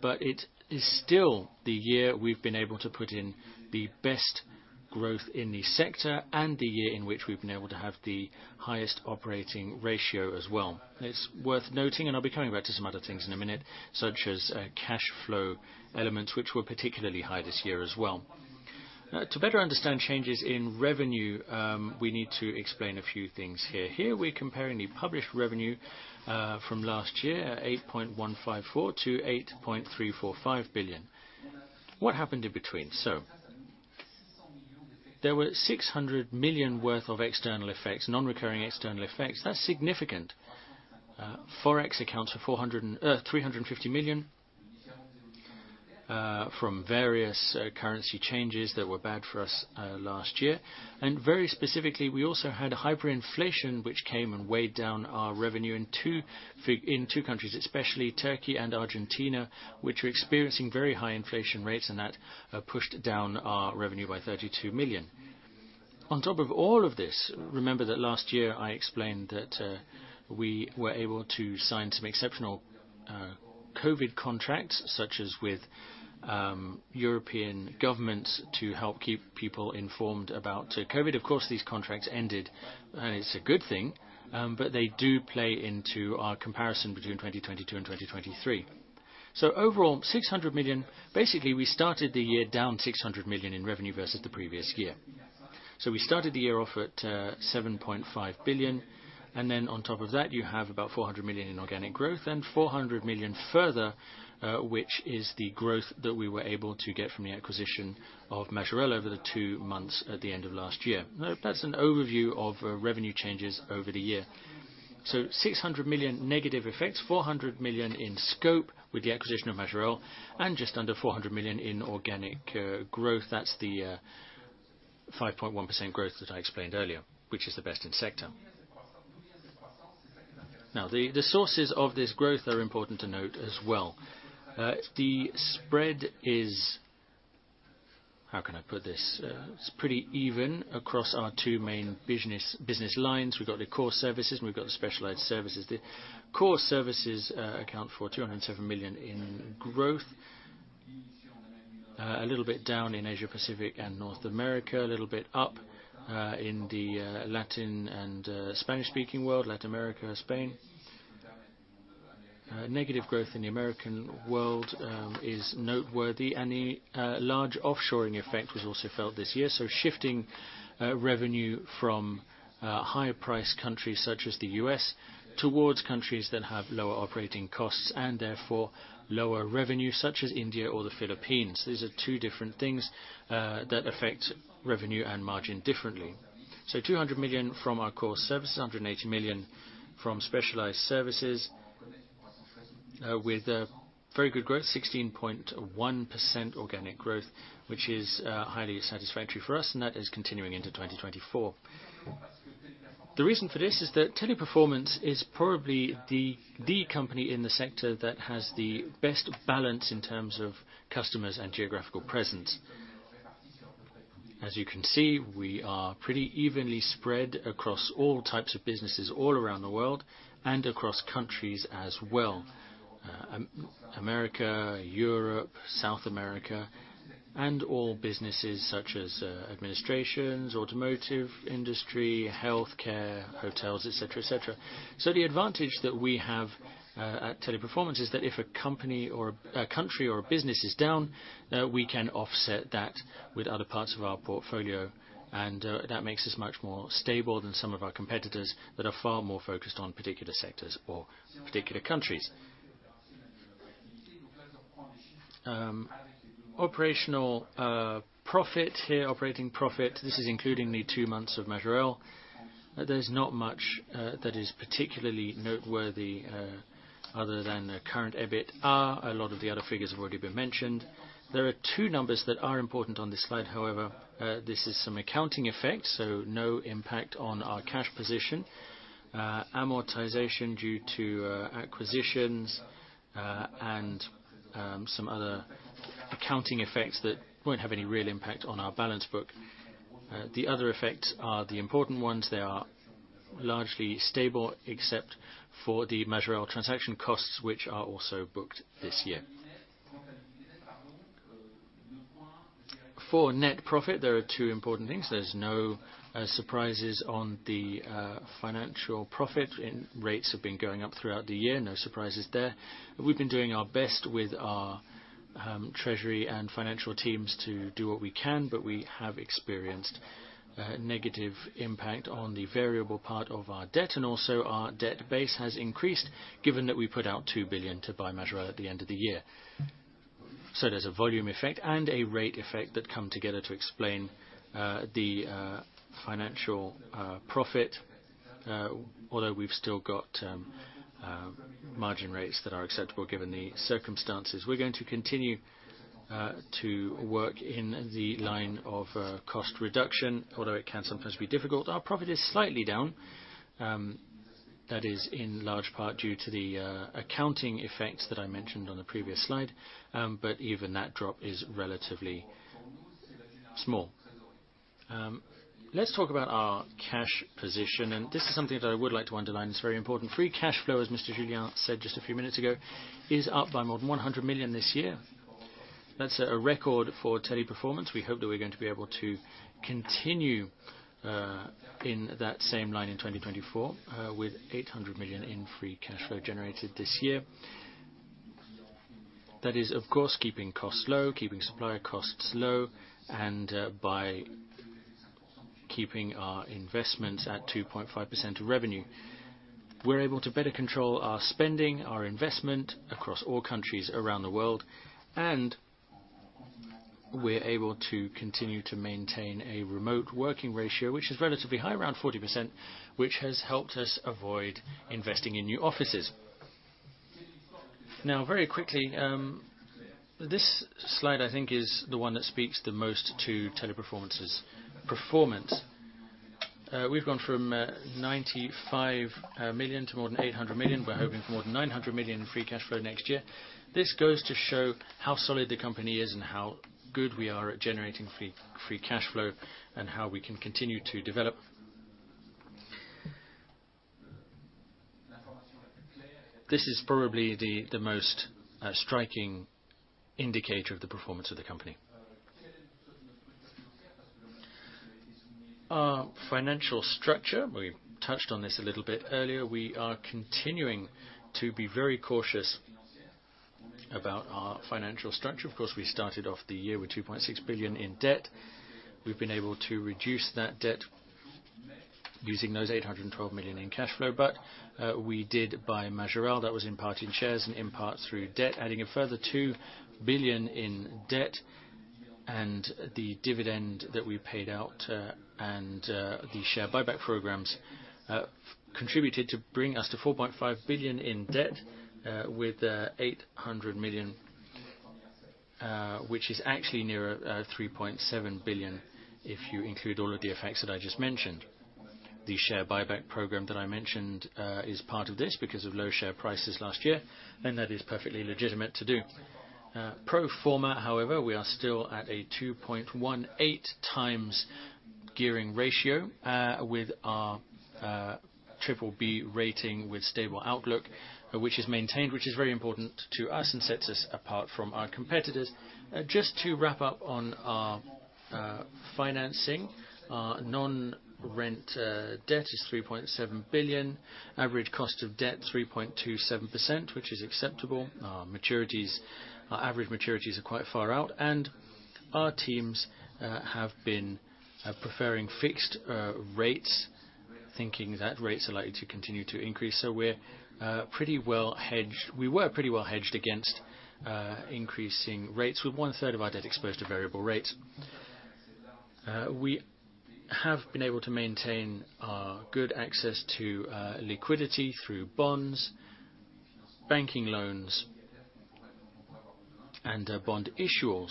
Speaker 2: but it is still the year we've been able to put in the best growth in the sector and the year in which we've been able to have the highest operating ratio as well. It's worth noting, and I'll be coming back to some other things in a minute, such as cash flow elements, which were particularly high this year as well. To better understand changes in revenue, we need to explain a few things here. Here, we're comparing the published revenue from last year, 8.154 billion-8.345 billion. What happened in between? There were 600 million worth of external effects, non-recurring external effects. That's significant. Forex accounts for 350 million from various currency changes that were bad for us last year. And very specifically, we also had hyperinflation, which came and weighed down our revenue in two countries, especially Turkey and Argentina, which are experiencing very high inflation rates, and that pushed down our revenue by 32 million. On top of all of this, remember that last year I explained that we were able to sign some exceptional COVID contracts, such as with European governments to help keep people informed about COVID. Of course, these contracts ended, and it's a good thing, but they do play into our comparison between 2022 and 2023. So overall, 600 million, basically, we started the year down 600 million in revenue versus the previous year. So we started the year off at 7.5 billion, and then on top of that, you have about 400 million in organic growth and 400 million further, which is the growth that we were able to get from the acquisition of Majorel over the 2 months at the end of last year. Now, that's an overview of revenue changes over the year. So 600 million negative effects, 400 million in scope with the acquisition of Majorel, and just under 400 million in organic growth. That's the 5.1% growth that I explained earlier, which is the best in sector. Now, the sources of this growth are important to note as well. The spread is... How can I put this? It's pretty even across our two main business lines. We've got the core services, and we've got the specialized services. The core services account for 207 million in growth. A little bit down in Asia-Pacific and North America, a little bit up in the Latin and Spanish-speaking world, Latin America, Spain. Negative growth in the American world is noteworthy, and the large offshoring effect was also felt this year. Shifting revenue from higher-priced countries such as the U.S. towards countries that have lower operating costs and therefore lower revenue, such as India or the Philippines. These are two different things that affect revenue and margin differently. 200 million from our core services, 180 million from specialized services, with a very good growth, 16.1% organic growth, which is highly satisfactory for us, and that is continuing into 2024. The reason for this is that Teleperformance is probably the company in the sector that has the best balance in terms of customers and geographical presence. As you can see, we are pretty evenly spread across all types of businesses all around the world and across countries as well. America, Europe, South America, and all businesses such as administrations, automotive industry, healthcare, hotels, et cetera, et cetera. So the advantage that we have at Teleperformance is that if a company or a country or a business is down, we can offset that with other parts of our portfolio, and that makes us much more stable than some of our competitors that are far more focused on particular sectors or particular countries. Operating profit here, operating profit, this is including the 2 months of Majorel. There's not much that is particularly noteworthy other than the current EBIT. A lot of the other figures have already been mentioned. There are 2 numbers that are important on this slide, however. This is some accounting effects, so no impact on our cash position. Amortization due to acquisitions, and some other accounting effects that won't have any real impact on our balance sheet. The other effects are the important ones. They are largely stable, except for the Majorel transaction costs, which are also booked this year. For net profit, there are two important things. There's no surprises on the financial profit, and rates have been going up throughout the year. No surprises there. We've been doing our best with our treasury and financial teams to do what we can, but we have experienced negative impact on the variable part of our debt, and also our debt base has increased, given that we put out 2 billion to buy Majorel at the end of the year. So there's a volume effect and a rate effect that come together to explain the financial profit, although we've still got margin rates that are acceptable, given the circumstances. We're going to continue to work in the line of cost reduction, although it can sometimes be difficult. Our profit is slightly down. That is in large part due to the accounting effects that I mentioned on the previous slide. But even that drop is relatively small. Let's talk about our cash position, and this is something that I would like to underline. It's very important. Free Cash Flow, as Mr. Julien said just a few minutes ago, is up by more than 100 million this year. That's a record for Teleperformance. We hope that we're going to be able to continue in that same line in 2024 with 800 million in free cash flow generated this year. That is, of course, keeping costs low, keeping supplier costs low, and by keeping our investments at 2.5% of revenue. We're able to better control our spending, our investment across all countries around the world, and we're able to continue to maintain a remote working ratio, which is relatively high, around 40%, which has helped us avoid investing in new offices. Now, very quickly, this slide, I think, is the one that speaks the most to Teleperformance's performance. We've gone from 95 million to more than 800 million. We're hoping for more than 900 million in free cash flow next year. This goes to show how solid the company is and how good we are at generating free, free cash flow and how we can continue to develop. This is probably the most striking indicator of the performance of the company. Our financial structure, we touched on this a little bit earlier. We are continuing to be very cautious about our financial structure. Of course, we started off the year with 2.6 billion in debt. We've been able to reduce that debt using those 812 million in cash flow, but we did buy Majorel. That was in part in shares and in part through debt, adding a further 2 billion in debt, and the dividend that we paid out, and, the share buyback programs, contributed to bring us to 4.5 billion in debt, with, 800 million, which is actually nearer, 3.7 billion, if you include all of the effects that I just mentioned. The share buyback program that I mentioned, is part of this because of low share prices last year, and that is perfectly legitimate to do. Pro forma, however, we are still at a 2.18 times gearing ratio, with our, BBB rating with stable outlook, which is maintained, which is very important to us and sets us apart from our competitors. Just to wrap up on our financing, our net debt is 3.7 billion. Average cost of debt, 3.27%, which is acceptable. Our maturities, our average maturities are quite far out, and our teams have been preferring fixed rates, thinking that rates are likely to continue to increase. So we're pretty well hedged. We were pretty well hedged against increasing rates, with one third of our debt exposed to variable rates. We have been able to maintain our good access to liquidity through bonds, banking loans, and bond issuers.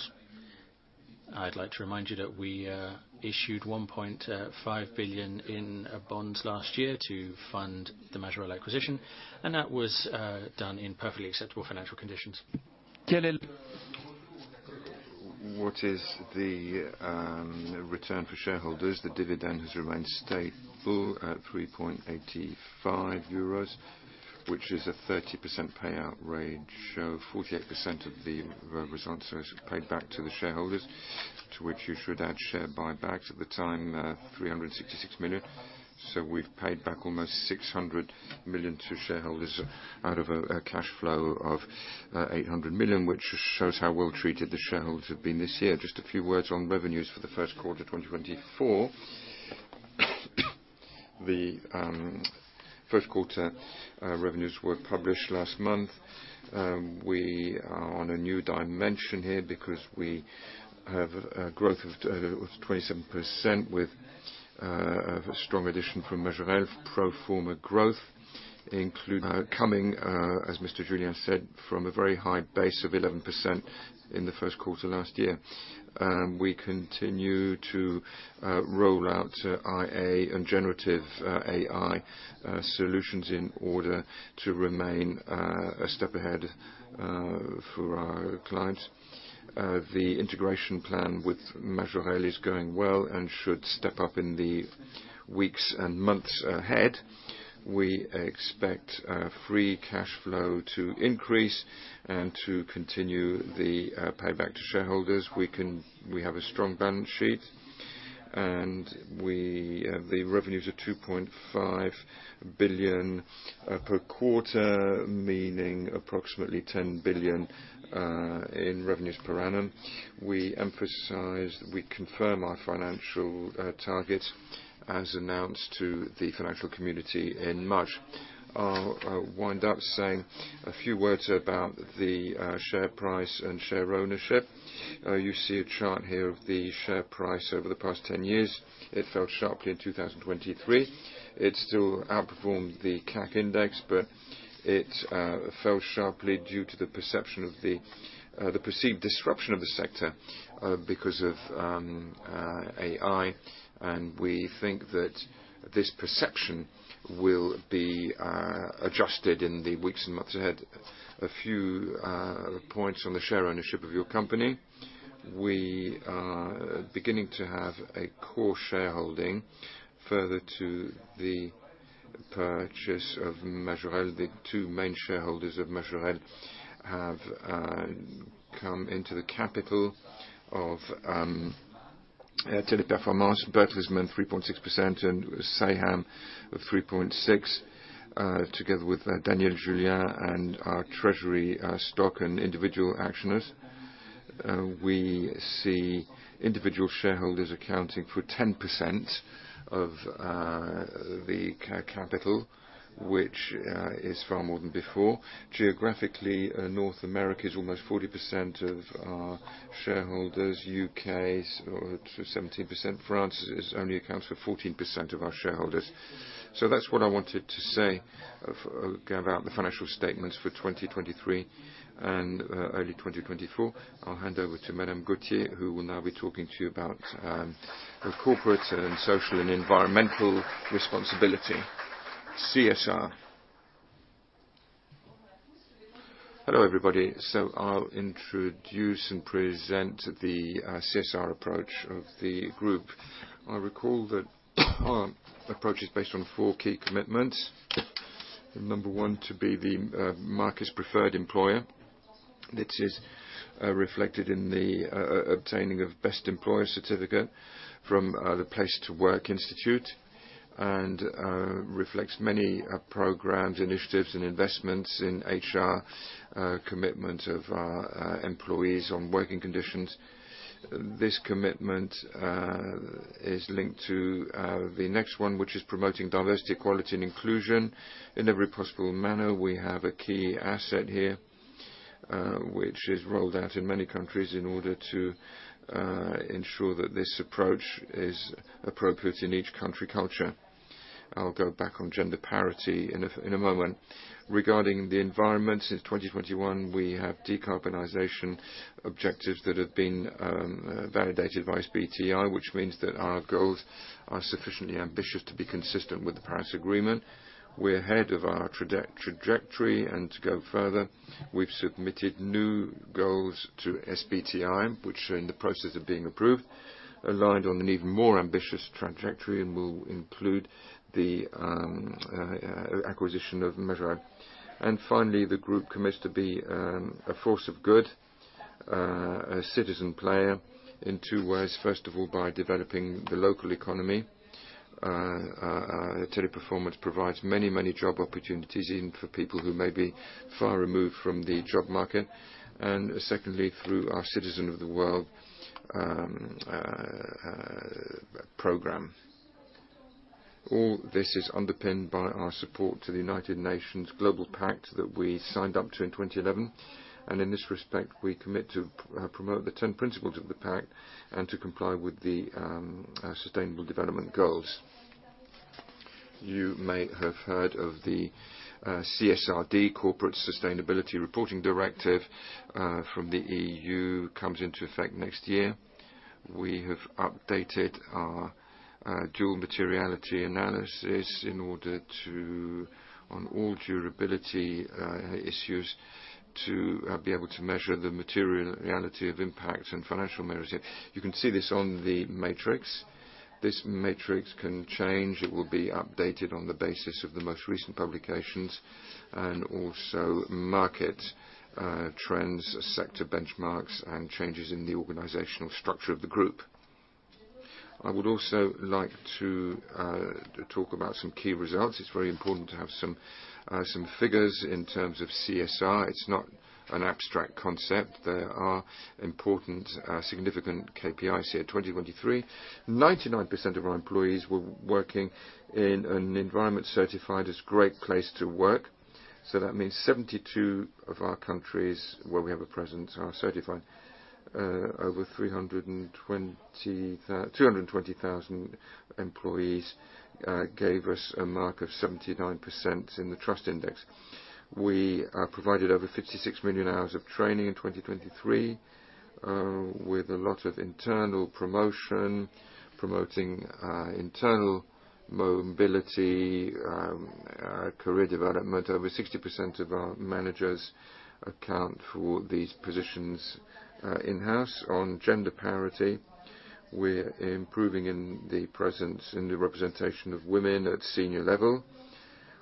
Speaker 2: I'd like to remind you that we issued 1.5 billion in bonds last year to fund the Majorel acquisition, and that was done in perfectly acceptable financial conditions.
Speaker 1: What is the return for shareholders? The dividend has remained stable at 3.85 euros, which is a 30% payout range, so 48% of the revenue is paid back to the shareholders, to which you should add share buybacks, at the time, 366 million. So we've paid back almost 600 million to shareholders out of a cash flow of 800 million, which shows how well treated the shareholders have been this year. Just a few words on revenues for the first quarter 2024. The first quarter revenues were published last month. We are on a new dimension here because we have a growth of 27% with a strong addition from Majorel. Pro forma growth include coming as Mr. Julien said, from a very high base of 11% in the first quarter last year. We continue to roll out AI and generative AI solutions in order to remain a step ahead for our clients. The integration plan with Majorel is going well and should step up in the weeks and months ahead. We expect free cash flow to increase and to continue the payback to shareholders. We have a strong balance sheet. The revenues are 2.5 billion per quarter, meaning approximately 10 billion in revenues per annum. We emphasize, we confirm our financial targets as announced to the financial community in March. I'll wind up saying a few words about the share price and share ownership. You see a chart here of the share price over the past 10 years. It fell sharply in 2023. It still outperformed the CAC Index, but it fell sharply due to the perception of the perceived disruption of the sector because of AI, and we think that this perception will be adjusted in the weeks and months ahead. A few points on the share ownership of your company. We are beginning to have a core shareholding further to the purchase of Majorel. The two main shareholders of Majorel have come into the capital of Teleperformance. Bertelsmann, 3.6%, and Saham, 3.6%, together with Daniel Julien and our treasury stock and individual shareholders. We see individual shareholders accounting for 10% of the capital, which is far more than before. Geographically, North America is almost 40% of our shareholders. UK is 17%. France only accounts for 14% of our shareholders. So that's what I wanted to say of about the financial statements for 2023 and early 2024. I'll hand over to Madame Gauthier, who will now be talking to you about the corporate and social and environmental responsibility, CSR. Hello, everybody. So I'll introduce and present the CSR approach of the group. I recall that our approach is based on four key commitments. Number one, to be the market's preferred employer. This is reflected in the obtaining of Best Employer certificate from the Great Place to Work Institute and reflects many programs, initiatives and investments in HR commitment of our employees on working conditions. This commitment is linked to the next one, which is promoting diversity, equality, and inclusion in every possible manner. We have a key asset here, which is rolled out in many countries in order to ensure that this approach is appropriate in each country culture. I'll go back on gender parity in a moment. Regarding the environment, since 2021, we have decarbonization objectives that have been validated by SBTi, which means that our goals are sufficiently ambitious to be consistent with the Paris Agreement. We're ahead of our trajectory, and to go further, we've submitted new goals to SBTi, which are in the process of being approved, aligned on an even more ambitious trajectory and will include the acquisition of Majorel. And finally, the group commits to be a force of good, a citizen player in two ways. First of all, by developing the local economy. Teleperformance provides many, many job opportunities, even for people who may be far removed from the job market, and secondly, through our Citizen of the World program. All this is underpinned by our support to the United Nations Global Compact that we signed up to in 2011, and in this respect, we commit to promote the 10 principles of the Pact and to comply with the Sustainable Development Goals. You may have heard of the CSRD, Corporate Sustainability Reporting Directive from the EU It comes into effect next year. We have updated our dual materiality analysis in order to, on all durability issues, to be able to measure the material reality of impact and financial measure. You can see this on the matrix. This matrix can change. It will be updated on the basis of the most recent publications and also market trends, sector benchmarks, and changes in the organizational structure of the group. I would also like to talk about some key results. It's very important to have some figures in terms of CSR. It's not an abstract concept. There are important significant KPIs here. In 2023, 99% of our employees were working in an environment certified as Great Place to Work. So that means 72 of our countries, where we have a presence, are certified. Over 220,000 employees gave us a mark of 79% in the Trust Index. We provided over 56 million hours of training in 2023, with a lot of internal promotion, promoting internal mobility, career development. Over 60% of our managers account for these positions in-house. On gender parity, we're improving in the presence, in the representation of women at senior level.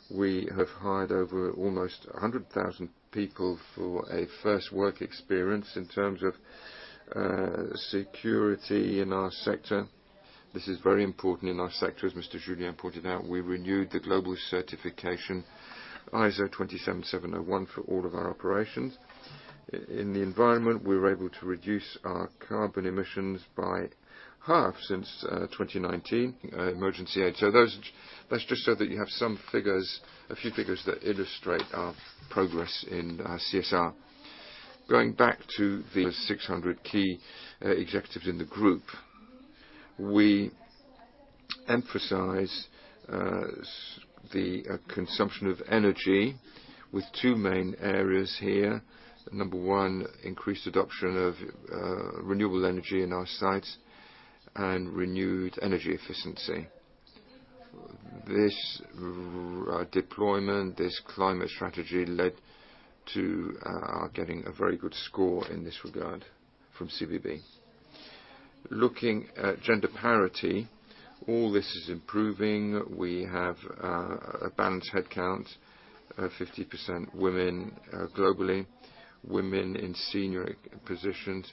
Speaker 1: We have hired over almost 100,000 people for a first work experience in terms of security in our sector. This is very important in our sector, as Mr. Julien pointed out. We renewed the global certification, ISO 27701, for all of our operations. In the environment, we were able to reduce our carbon emissions by half since 2019, emergency aid. So that's just so that you have some figures, a few figures that illustrate our progress in our CSR. Going back to the 600 key executives in the group, we emphasize the consumption of energy with two main areas here. Number one, increased adoption of renewable energy in our sites, and renewed energy efficiency. This deployment, this climate strategy, led to our getting a very good score in this regard from CDP. Looking at gender parity, all this is improving. We have a balanced headcount, 50% women, globally. Women in senior positions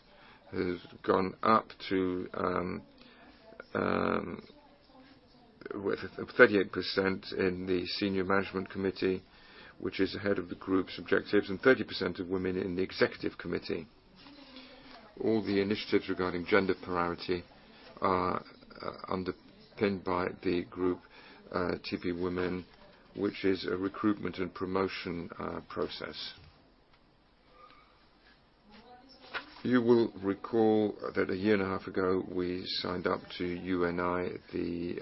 Speaker 1: has gone up to, with 38% in the senior management committee, which is ahead of the group's objectives, and 30% of women in the executive committee. All the initiatives regarding gender parity are underpinned by the group, TP Women, which is a recruitment and promotion process. You will recall that a year and a half ago, we signed up to UNI, the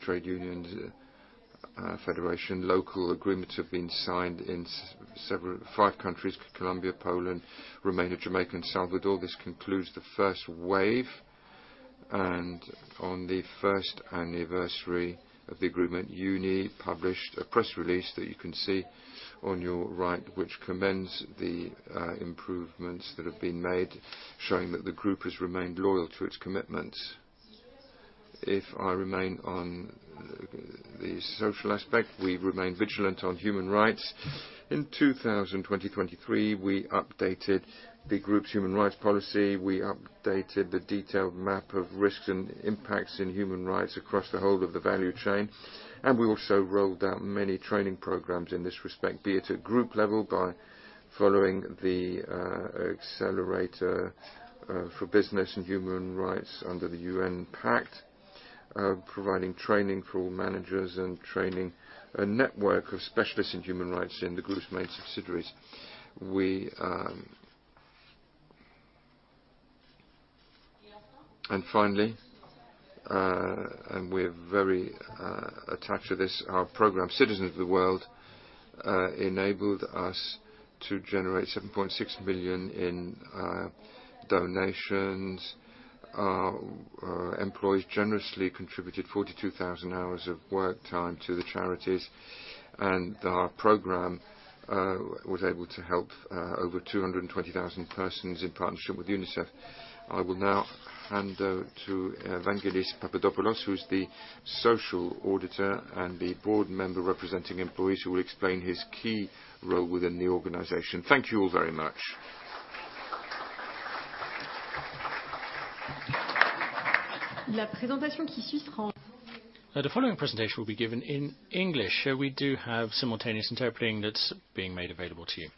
Speaker 1: trade unions federation. Local agreements have been signed in several—5 countries: Colombia, Poland, Romania, Jamaica, and El Salvador. This concludes the first wave, and on the first anniversary of the agreement, UNI published a press release that you can see on your right, which commends the improvements that have been made, showing that the group has remained loyal to its commitments. If I remain on the social aspect, we remain vigilant on human rights. In 2023, we updated the group's human rights policy, we updated the detailed map of risks and impacts in human rights across the whole of the value chain, and we also rolled out many training programs in this respect, be it at group level, by following the accelerator for business and human rights under the UN pact. Providing training for all managers and training a network of specialists in human rights in the group's main subsidiaries. We. And finally, and we're very attached to this, our program, Citizens of the World, enabled us to generate 7.6 billion in donations. Employees generously contributed 42,000 hours of work time to the charities, and our program was able to help over 220,000 persons in partnership with UNICEF. I will now hand over to Evangelos Papadopoulos, who is the social auditor and the board member representing employees, who will explain his key role within the organization. Thank you all very much.
Speaker 2: The following presentation will be given in English. We do have simultaneous interpreting that's being made available to you.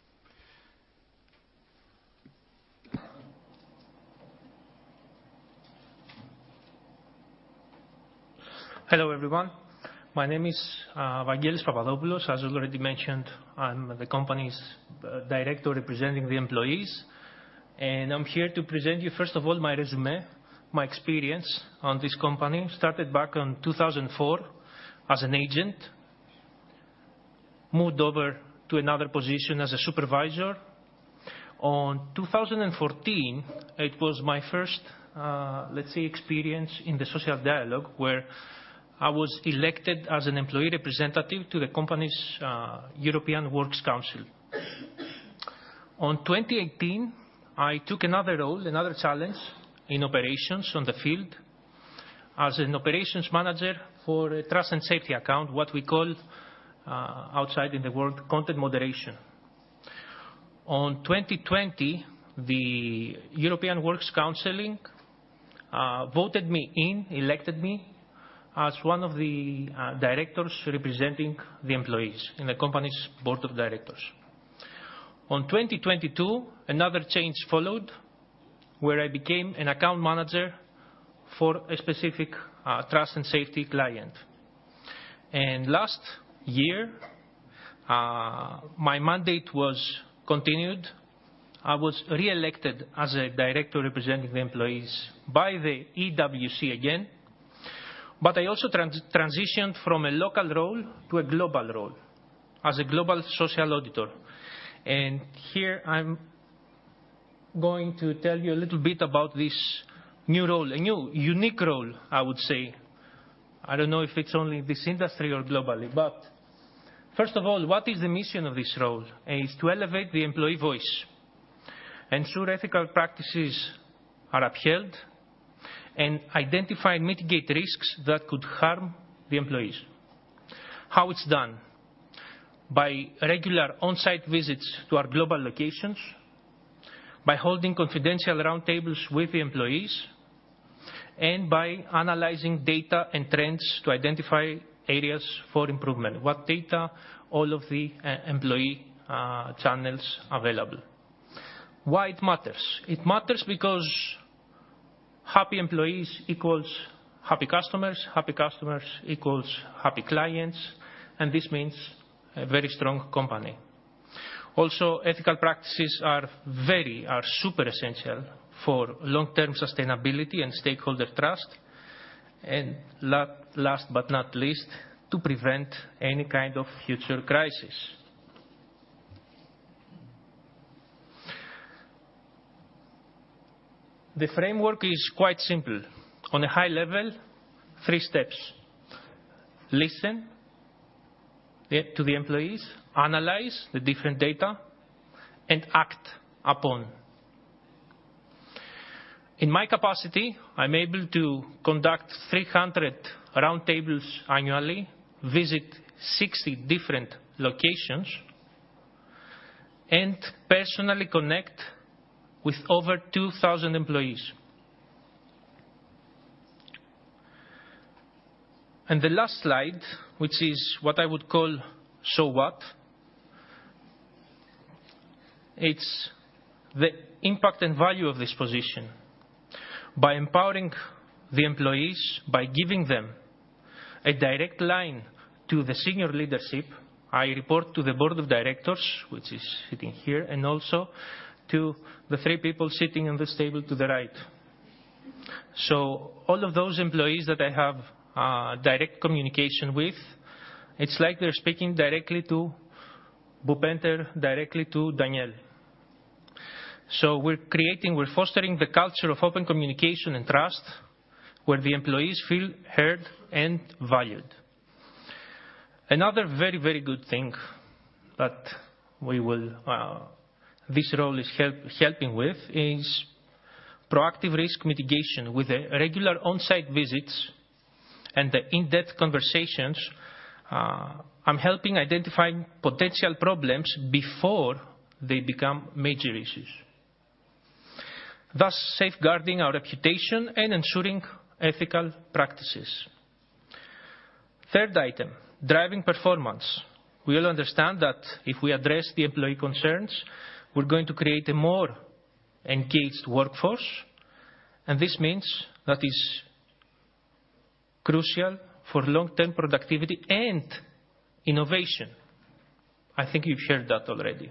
Speaker 3: Hello, everyone. My name is Evangelos Papadopoulos. As already mentioned, I'm the company's director representing the employees, and I'm here to present you, first of all, my resume, my experience on this company. Started back in 2004 as an agent, moved over to another position as a supervisor. In 2014, it was my first, let's say, experience in the social dialogue, where I was elected as an employee representative to the company's European Works Council. In 2018, I took another role, another challenge in operations on the field as an operations manager for a trust and safety account, what we call outside in the world, content moderation. In 2020, the European Works Council voted me in, elected me as one of the directors representing the employees in the company's Board of Directors. On 2022, another change followed, where I became an account manager for a specific, trust and safety client. Last year, my mandate was continued. I was re-elected as a director representing the employees by the EWC again, but I also transitioned from a local role to a global role, as a global social auditor. And here, I'm going to tell you a little bit about this new role, a new, unique role, I would say. I don't know if it's only in this industry or globally. But first of all, what is the mission of this role? It is to elevate the employee voice... Ensure ethical practices are upheld and identify and mitigate risks that could harm the employees. How it's done? By regular on-site visits to our global locations, by holding confidential roundtables with the employees, and by analyzing data and trends to identify areas for improvement. What data? All of the employee channels available. Why it matters? It matters because happy employees equals happy customers, happy customers equals happy clients, and this means a very strong company. Also, ethical practices are super essential for long-term sustainability and stakeholder trust, and last but not least, to prevent any kind of future crisis. The framework is quite simple. On a high level, three steps: listen to the employees, analyze the different data, and act upon. In my capacity, I'm able to conduct 300 roundtables annually, visit 60 different locations, and personally connect with over 2,000 employees. The last slide, which is what I would call, "So what?" It's the impact and value of this position. By empowering the employees, by giving them a direct line to the senior leadership, I report to the Board of Directors, which is sitting here, and also to the three people sitting on this table to the right. So all of those employees that I have, direct communication with, it's like they're speaking directly to Bhupinder, directly to Daniel. So we're creating, we're fostering the culture of open communication and trust, where the employees feel heard and valued. Another very, very good thing that we will, this role is helping with is proactive risk mitigation. With the regular on-site visits and the in-depth conversations, I'm helping identifying potential problems before they become major issues, thus safeguarding our reputation and ensuring ethical practices. Third item, driving performance. We all understand that if we address the employee concerns, we're going to create a more engaged workforce, and this means that is crucial for long-term productivity and innovation. I think you've heard that already.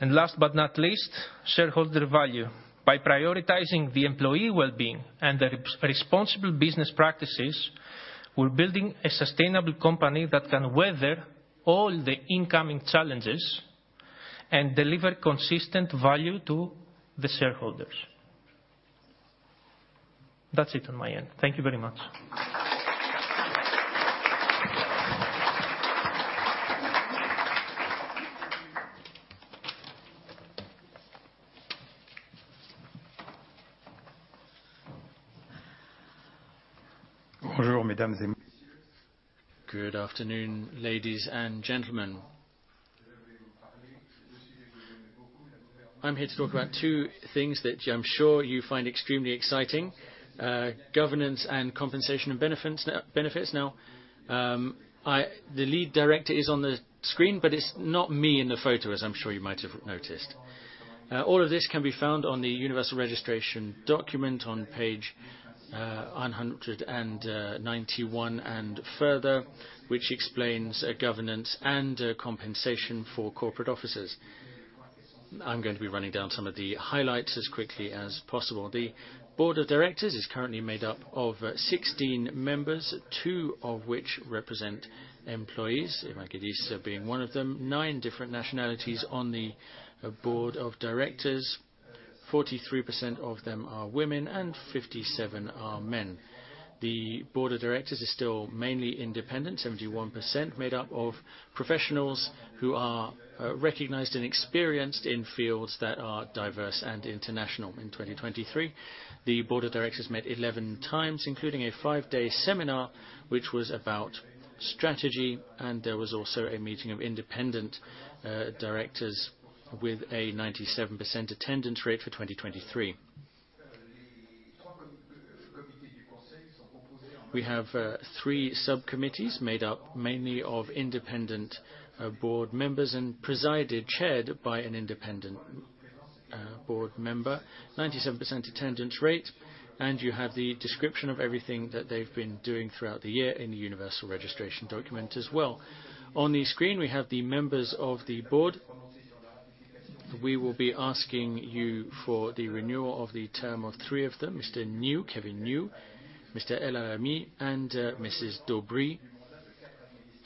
Speaker 3: And last but not least, shareholder value. By prioritizing the employee well-being and the responsible business practices, we're building a sustainable company that can weather all the incoming challenges and deliver consistent value to the shareholders. That's it on my end. Thank you very much.
Speaker 2: Good afternoon, ladies and gentlemen. I'm here to talk about two things that I'm sure you find extremely exciting, governance and compensation and benefits, benefits. Now, The lead director is on the screen, but it's not me in the photo, as I'm sure you might have noticed. All of this can be found on the Universal Registration Document on page 191, and further, which explains a governance and a compensation for corporate officers. I'm going to be running down some of the highlights as quickly as possible. The Board of Directors is currently made up of 16 members, two of which represent employees, Evangelos being one of them. Nine different nationalities on the Board of Directors, 43% of them are women, and 57 are men. The Board of Directors is still mainly independent, 71% made up of professionals who are recognized and experienced in fields that are diverse and international. In 2023, the Board of Directors met 11 times, including a 5-day seminar, which was about strategy, and there was also a meeting of independent directors with a 97% attendance rate for 2023. We have three subcommittees made up mainly of independent board members and presided, chaired by an independent board member, 97% attendance rate, and you have the description of everything that they've been doing throughout the year in the Universal Registration Document as well. On the screen, we have the members of the board. We will be asking you for the renewal of the term of three of them: Mr. Thomas Weisel, Kevin Nazemi, Mr. Elalamy, and Mrs. Daubry,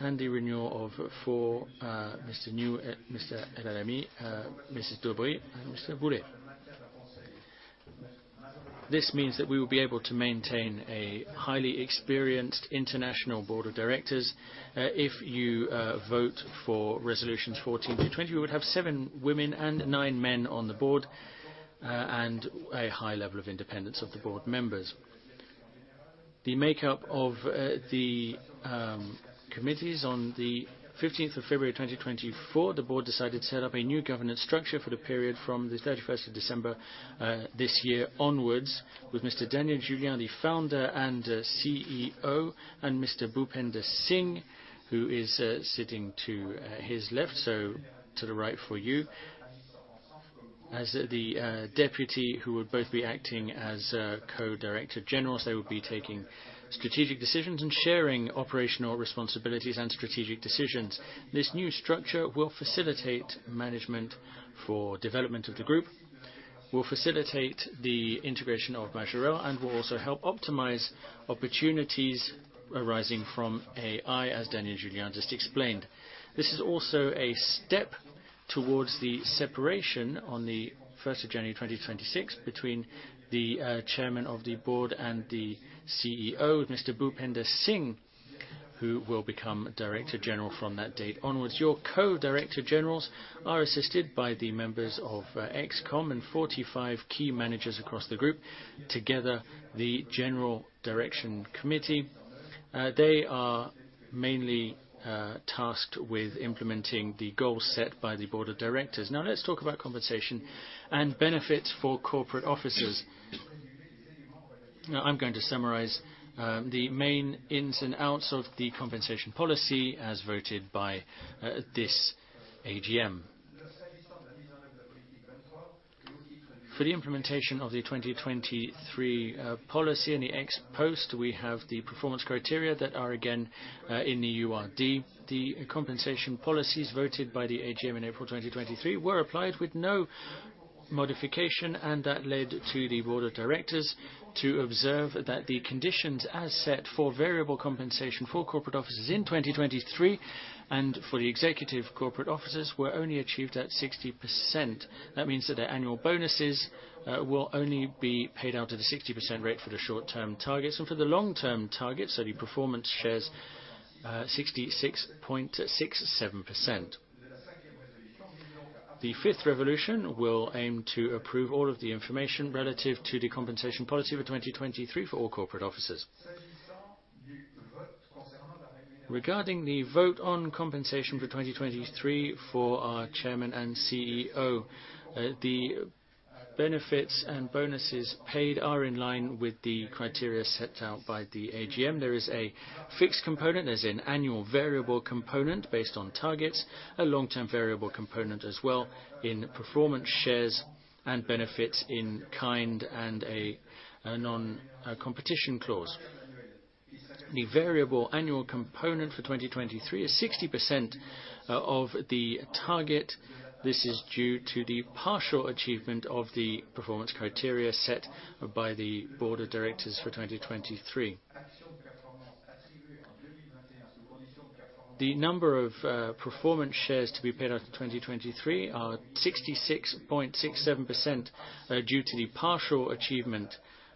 Speaker 2: and the renewal of four, Mr. Thomas Weisel, Mr. Elalamy, Mrs. Cantaloube, and Mr. Bery. This means that we will be able to maintain a highly experienced international Board of Directors. If you vote for resolutions 14 to 20, we would have 7 women and 9 men on the board, and a high level of independence of the board members. The makeup of the committees on the 15th of February 2024, the board decided to set up a new governance structure for the period from the 31st of December this year onwards, with Mr. Daniel Julien, the founder and CEO, and Mr. Bhupinder Singh, who is sitting to his left, so to the right for you. As the deputy who would both be acting as Co-Director Generals, they will be taking strategic decisions and sharing operational responsibilities and strategic decisions. This new structure will facilitate management for development of the group, will facilitate the integration of Majorel, and will also help optimize opportunities arising from AI, as Daniel Julien just explained. This is also a step towards the separation on the first of January 2026, between the Chairman of the board and the CEO, Mr. Bhupinder Singh, who will become Director General from that date onwards. Your Co-Director Generals are assisted by the members of ExCom and 45 key managers across the group, together, the General Direction Committee. They are mainly tasked with implementing the goals set by the Board of Directors. Now let's talk about compensation and benefits for corporate officers. Now I'm going to summarize the main ins and outs of the compensation policy as voted by this AGM. For the implementation of the 2023 policy in the ex post, we have the performance criteria that are again in the URD. The compensation policies voted by the AGM in April 2023 were applied with no modification, and that led to the Board of Directors to observe that the conditions as set for variable compensation for corporate officers in 2023, and for the executive corporate officers, were only achieved at 60%. That means that their annual bonuses will only be paid out at a 60% rate for the short-term targets, and for the long-term targets, so the performance shares, 66.67%. The fifth resolution will aim to approve all of the information relative to the compensation policy for 2023 for all corporate officers. Regarding the vote on compensation for 2023 for our Chairman and CEO, the benefits and bonuses paid are in line with the criteria set out by the AGM. There is a fixed component, there's an annual variable component based on targets, a long-term variable component as well in performance shares and benefits in kind and a non-competition clause. The variable annual component for 2023 is 60% of the target. This is due to the partial achievement of the performance criteria set by the Board of Directors for 2023. The number of performance shares to be paid out in 2023 are 66.67% due to the partial achievement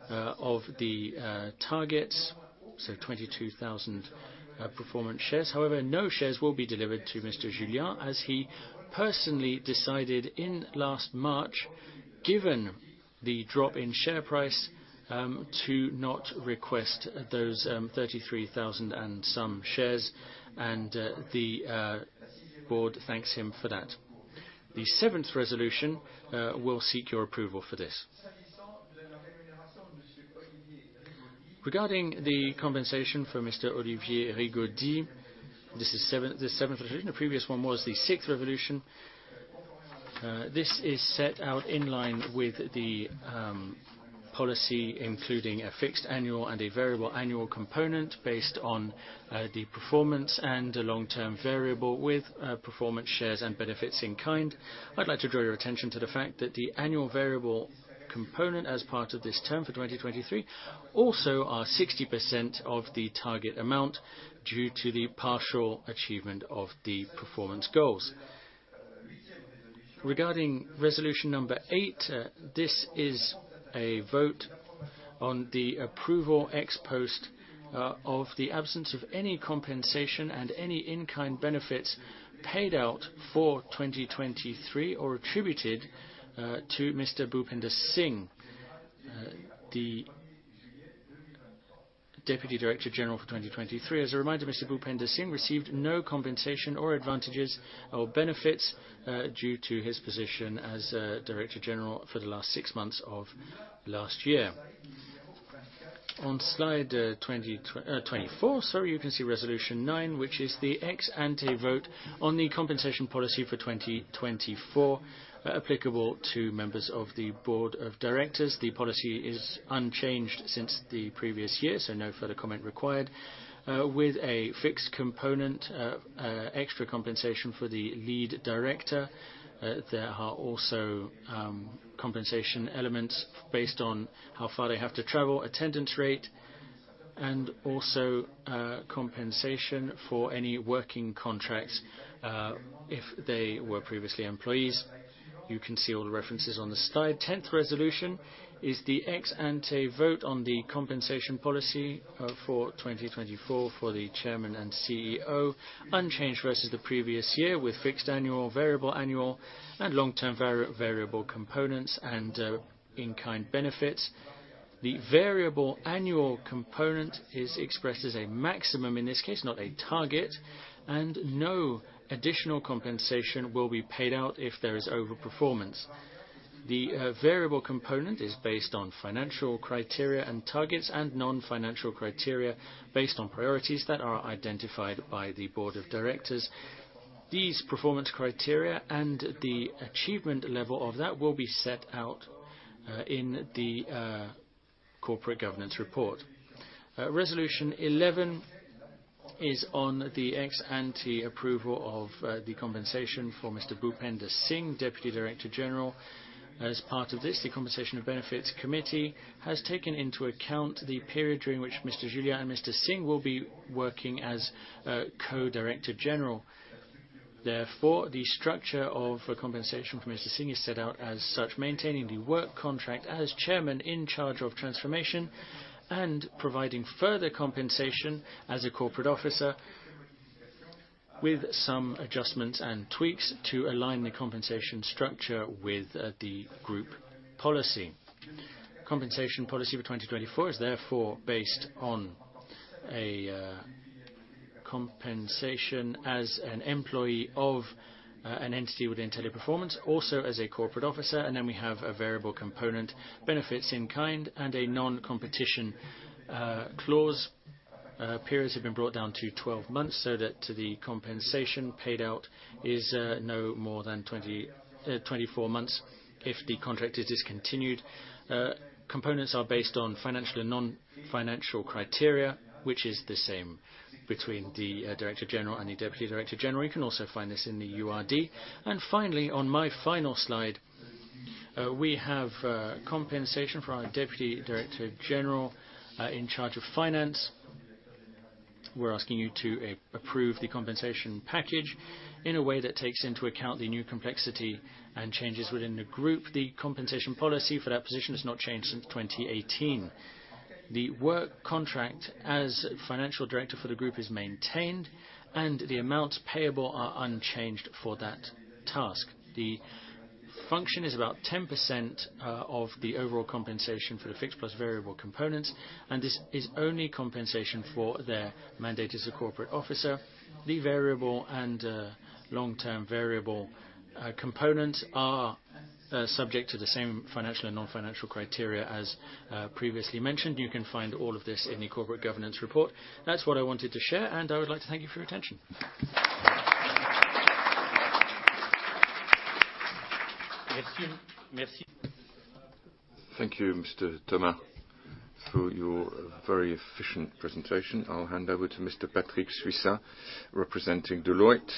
Speaker 2: of the targets, so 22,000 performance shares. However, no shares will be delivered to Mr. Julien, as he personally decided in last March, given the drop in share price to not request those 33,000 and some shares, and the board thanks him for that. The seventh resolution will seek your approval for this. Regarding the compensation for Mr. Olivier Rigaudy, this is seven- the seventh resolution, the previous one was the sixth resolution. This is set out in line with the policy, including a fixed annual and a variable annual component based on the performance and a long-term variable with performance shares and benefits in kind. I'd like to draw your attention to the fact that the annual variable component as part of this term for 2023, also are 60% of the target amount due to the partial achievement of the performance goals. Regarding resolution number 8, this is a vote on the approval ex post of the absence of any compensation and any in-kind benefits paid out for 2023, or attributed to Mr. Bhupinder Singh, the Deputy Director General for 2023. As a reminder, Mr. Bhupinder Singh received no compensation or advantages or benefits due to his position as Director General for the last six months of last year. On slide 24, sorry, you can see resolution 9, which is the ex ante vote on the compensation policy for 2024, applicable to members of the Board of Directors. The policy is unchanged since the previous year, so no further comment required. With a fixed component, extra compensation for the lead director, there are also compensation elements based on how far they have to travel, attendance rate,... and also compensation for any working contracts, if they were previously employees. You can see all the references on the slide. Tenth resolution is the ex ante vote on the compensation policy for 2024 for the Chairman and CEO. Unchanged versus the previous year, with fixed annual, variable annual, and long-term variable components and in-kind benefits. The variable annual component is expressed as a maximum in this case, not a target, and no additional compensation will be paid out if there is overperformance. The variable component is based on financial criteria and targets, and non-financial criteria based on priorities that are identified by the Board of Directors. These performance criteria and the achievement level of that will be set out in the corporate governance report. Resolution 11 is on the ex ante approval of the compensation for Mr. Bhupinder Singh, Deputy Director General. As part of this, the Compensation and Benefits Committee has taken into account the period during which Mr. Julien and Mr. Singh will be working as co-Director General. Therefore, the structure of compensation for Mr. Singh is set out as such, maintaining the work contract as chairman in charge of transformation, and providing further compensation as a corporate officer, with some adjustments and tweaks to align the compensation structure with the group policy. Compensation policy for 2024 is therefore based on a compensation as an employee of an entity within Teleperformance, also as a corporate officer, and then we have a variable component, benefits in kind, and a non-competition clause. Periods have been brought down to 12 months, so that the compensation paid out is no more than 24 months if the contract is discontinued. Components are based on financial and non-financial criteria, which is the same between the Director General and the Deputy Director General. You can also find this in the URD. Finally, on my final slide, we have compensation for our Deputy Director General in charge of finance. We're asking you to approve the compensation package in a way that takes into account the new complexity and changes within the group. The compensation policy for that position has not changed since 2018. The work contract as Financial Director for the group is maintained, and the amounts payable are unchanged for that task. The function is about 10%, of the overall compensation for the fixed plus variable components, and this is only compensation for their mandate as a corporate officer. The variable and, long-term variable, components are, subject to the same financial and non-financial criteria as, previously mentioned. You can find all of this in the corporate governance report. That's what I wanted to share, and I would like to thank you for your attention.
Speaker 4: Merci. Merci. Thank you, Mr. Thomas, for your very efficient presentation. I'll hand over to Mr. Patrick Suissa, representing Deloitte,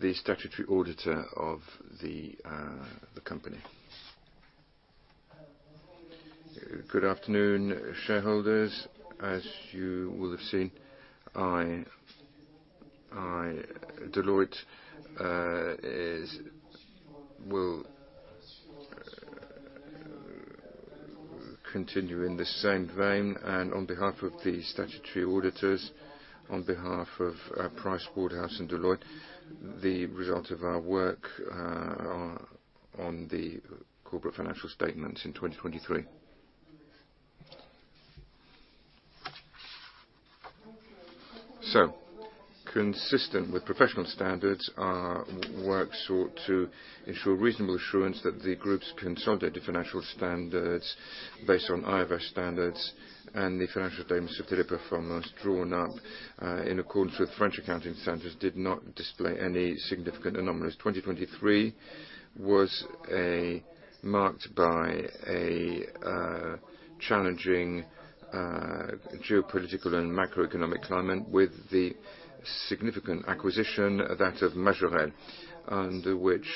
Speaker 4: the statutory auditor of the company.
Speaker 1: Good afternoon, shareholders. As you will have seen, Deloitte will continue in the same vein, and on behalf of the statutory auditors, on behalf of PricewaterhouseCoopers and Deloitte, the result of our work on the corporate financial statements in 2023. So consistent with professional standards, our work sought to ensure reasonable assurance that the group's consolidated financial standards, based on IFRS standards and the financial statements of Teleperformance, drawn up in accordance with French accounting standards, did not display any significant anomalies. 2023 was marked by a challenging geopolitical and macroeconomic climate, with the significant acquisition of that of Majorel, under which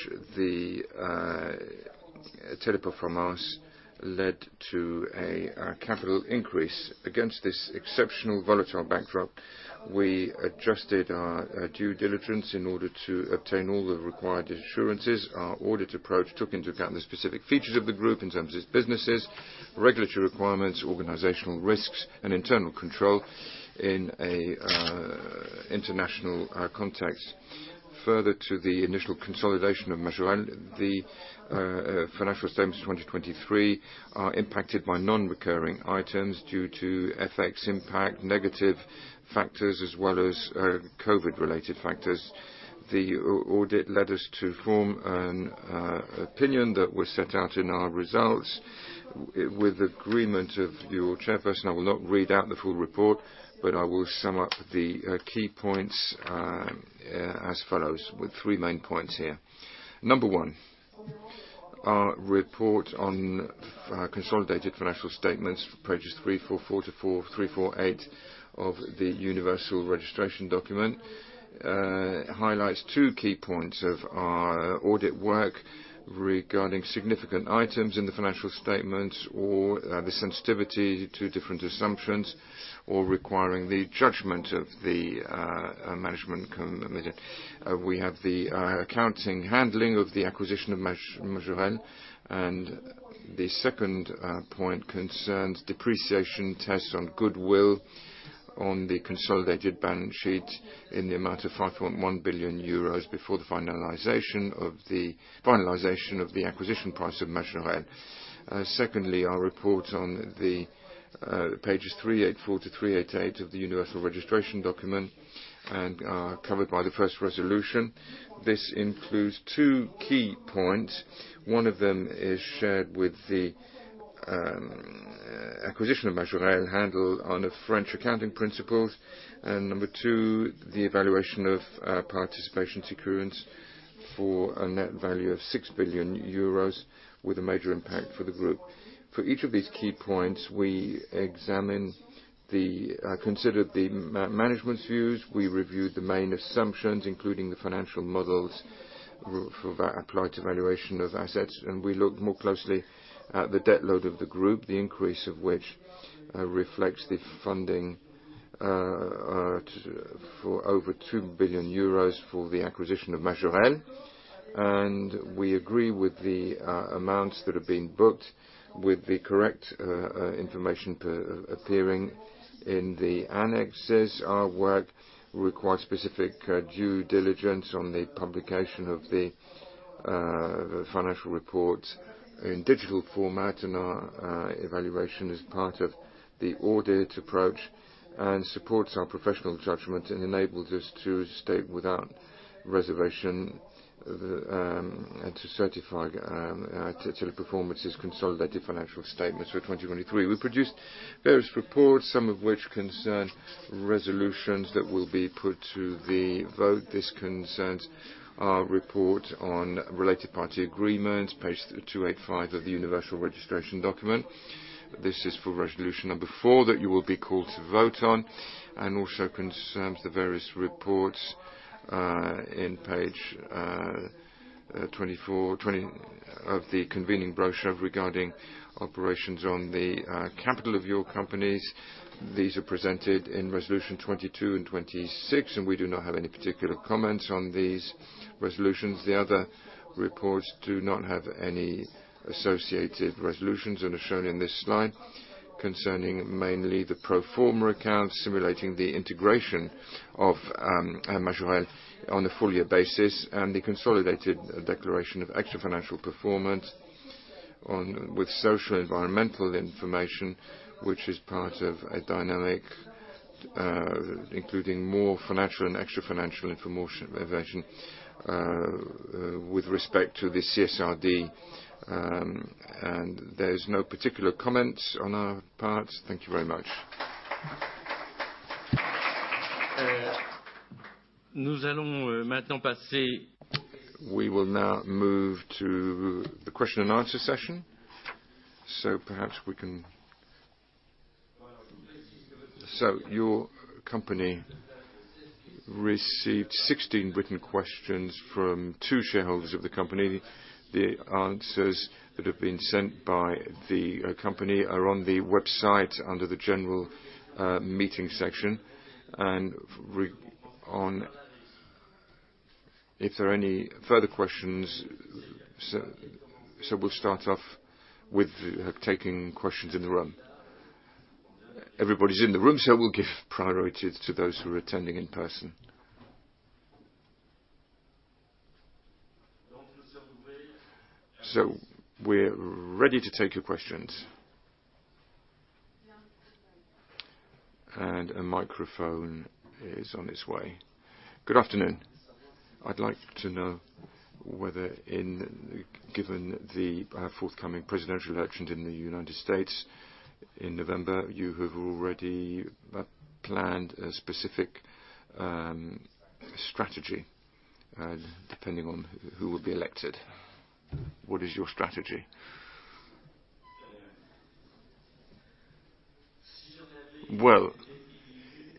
Speaker 1: Teleperformance led to a capital increase. Against this exceptional volatile backdrop, we adjusted our due diligence in order to obtain all the required assurances. Our audit approach took into account the specific features of the group in terms of its businesses, regulatory requirements, organizational risks, and internal control in an international context. Further to the initial consolidation of Majorel, the financial statements of 2023 are impacted by non-recurring items due to FX impact, negative factors, as well as COVID-related factors. The audit led us to form an opinion that was set out in our results. With the agreement of your chairperson, I will not read out the full report, but I will sum up the key points as follows, with three main points here. Number one: our report on consolidated financial statements, pages 344-348 Of the Universal Registration Document highlights two key points of our audit work regarding significant items in the financial statements, or the sensitivity to different assumptions, or requiring the judgment of the management committee. We have the accounting handling of the acquisition of Majorel, and the second point concerns depreciation tests on goodwill on the consolidated balance sheet in the amount of 5.1 billion euros before the finalization of the acquisition price of Majorel. Secondly, our report on the pages 384-388 of the Universal Registration Document, and are covered by the first resolution. This includes two key points. One of them is shared with the acquisition of Majorel, handled on a French accounting principles. And number two, the evaluation of participation securities for a net value of 6 billion euros, with a major impact for the group. For each of these key points, we examined and considered management's views, we reviewed the main assumptions, including the financial models for the applied evaluation of assets, and we looked more closely at the debt load of the group, the increase of which reflects the funding for over 2 billion euros for the acquisition of Majorel. And we agree with the amounts that have been booked with the correct information appearing in the annexes. Our work required specific due diligence on the publication of the financial reports in digital format, and our evaluation is part of the audit approach, and supports our professional judgment, and enables us to state, without reservation, and to certify Teleperformance's consolidated financial statements for 2023. We produced various reports, some of which concern resolutions that will be put to the vote. This concerns our report on related party agreements, page 285 of the Universal Registration Document. This is for resolution number 4, that you will be called to vote on, and also concerns the various reports in page 24, 20- of the convening brochure regarding operations on the capital of your companies. These are presented in resolution 22 and 26, and we do not have any particular comments on these resolutions. The other reports do not have any associated resolutions and are shown in this slide, concerning mainly the pro forma accounts, simulating the integration of Majorel on a full year basis, and the consolidated declaration of extra financial performance on with social-environmental information, which is part of a dynamic including more financial and extra financial information with respect to the CSRD. And there's no particular comment on our part. Thank you very much. We will now move to the question and answer session. So perhaps we can. So your company received 16 written questions from 2 shareholders of the company. The answers that have been sent by the company are on the website, under the General Meeting section. If there are any further questions, so, so we'll start off with taking questions in the room. Everybody's in the room, so we'll give priority to those who are attending in person. Done. So we're ready to take your questions. Yeah. And a microphone is on its way. Good afternoon. I'd like to know whether in, given the forthcoming presidential election in the United States, in November, you have already planned a specific strategy depending on who will be elected. What is your strategy? Well,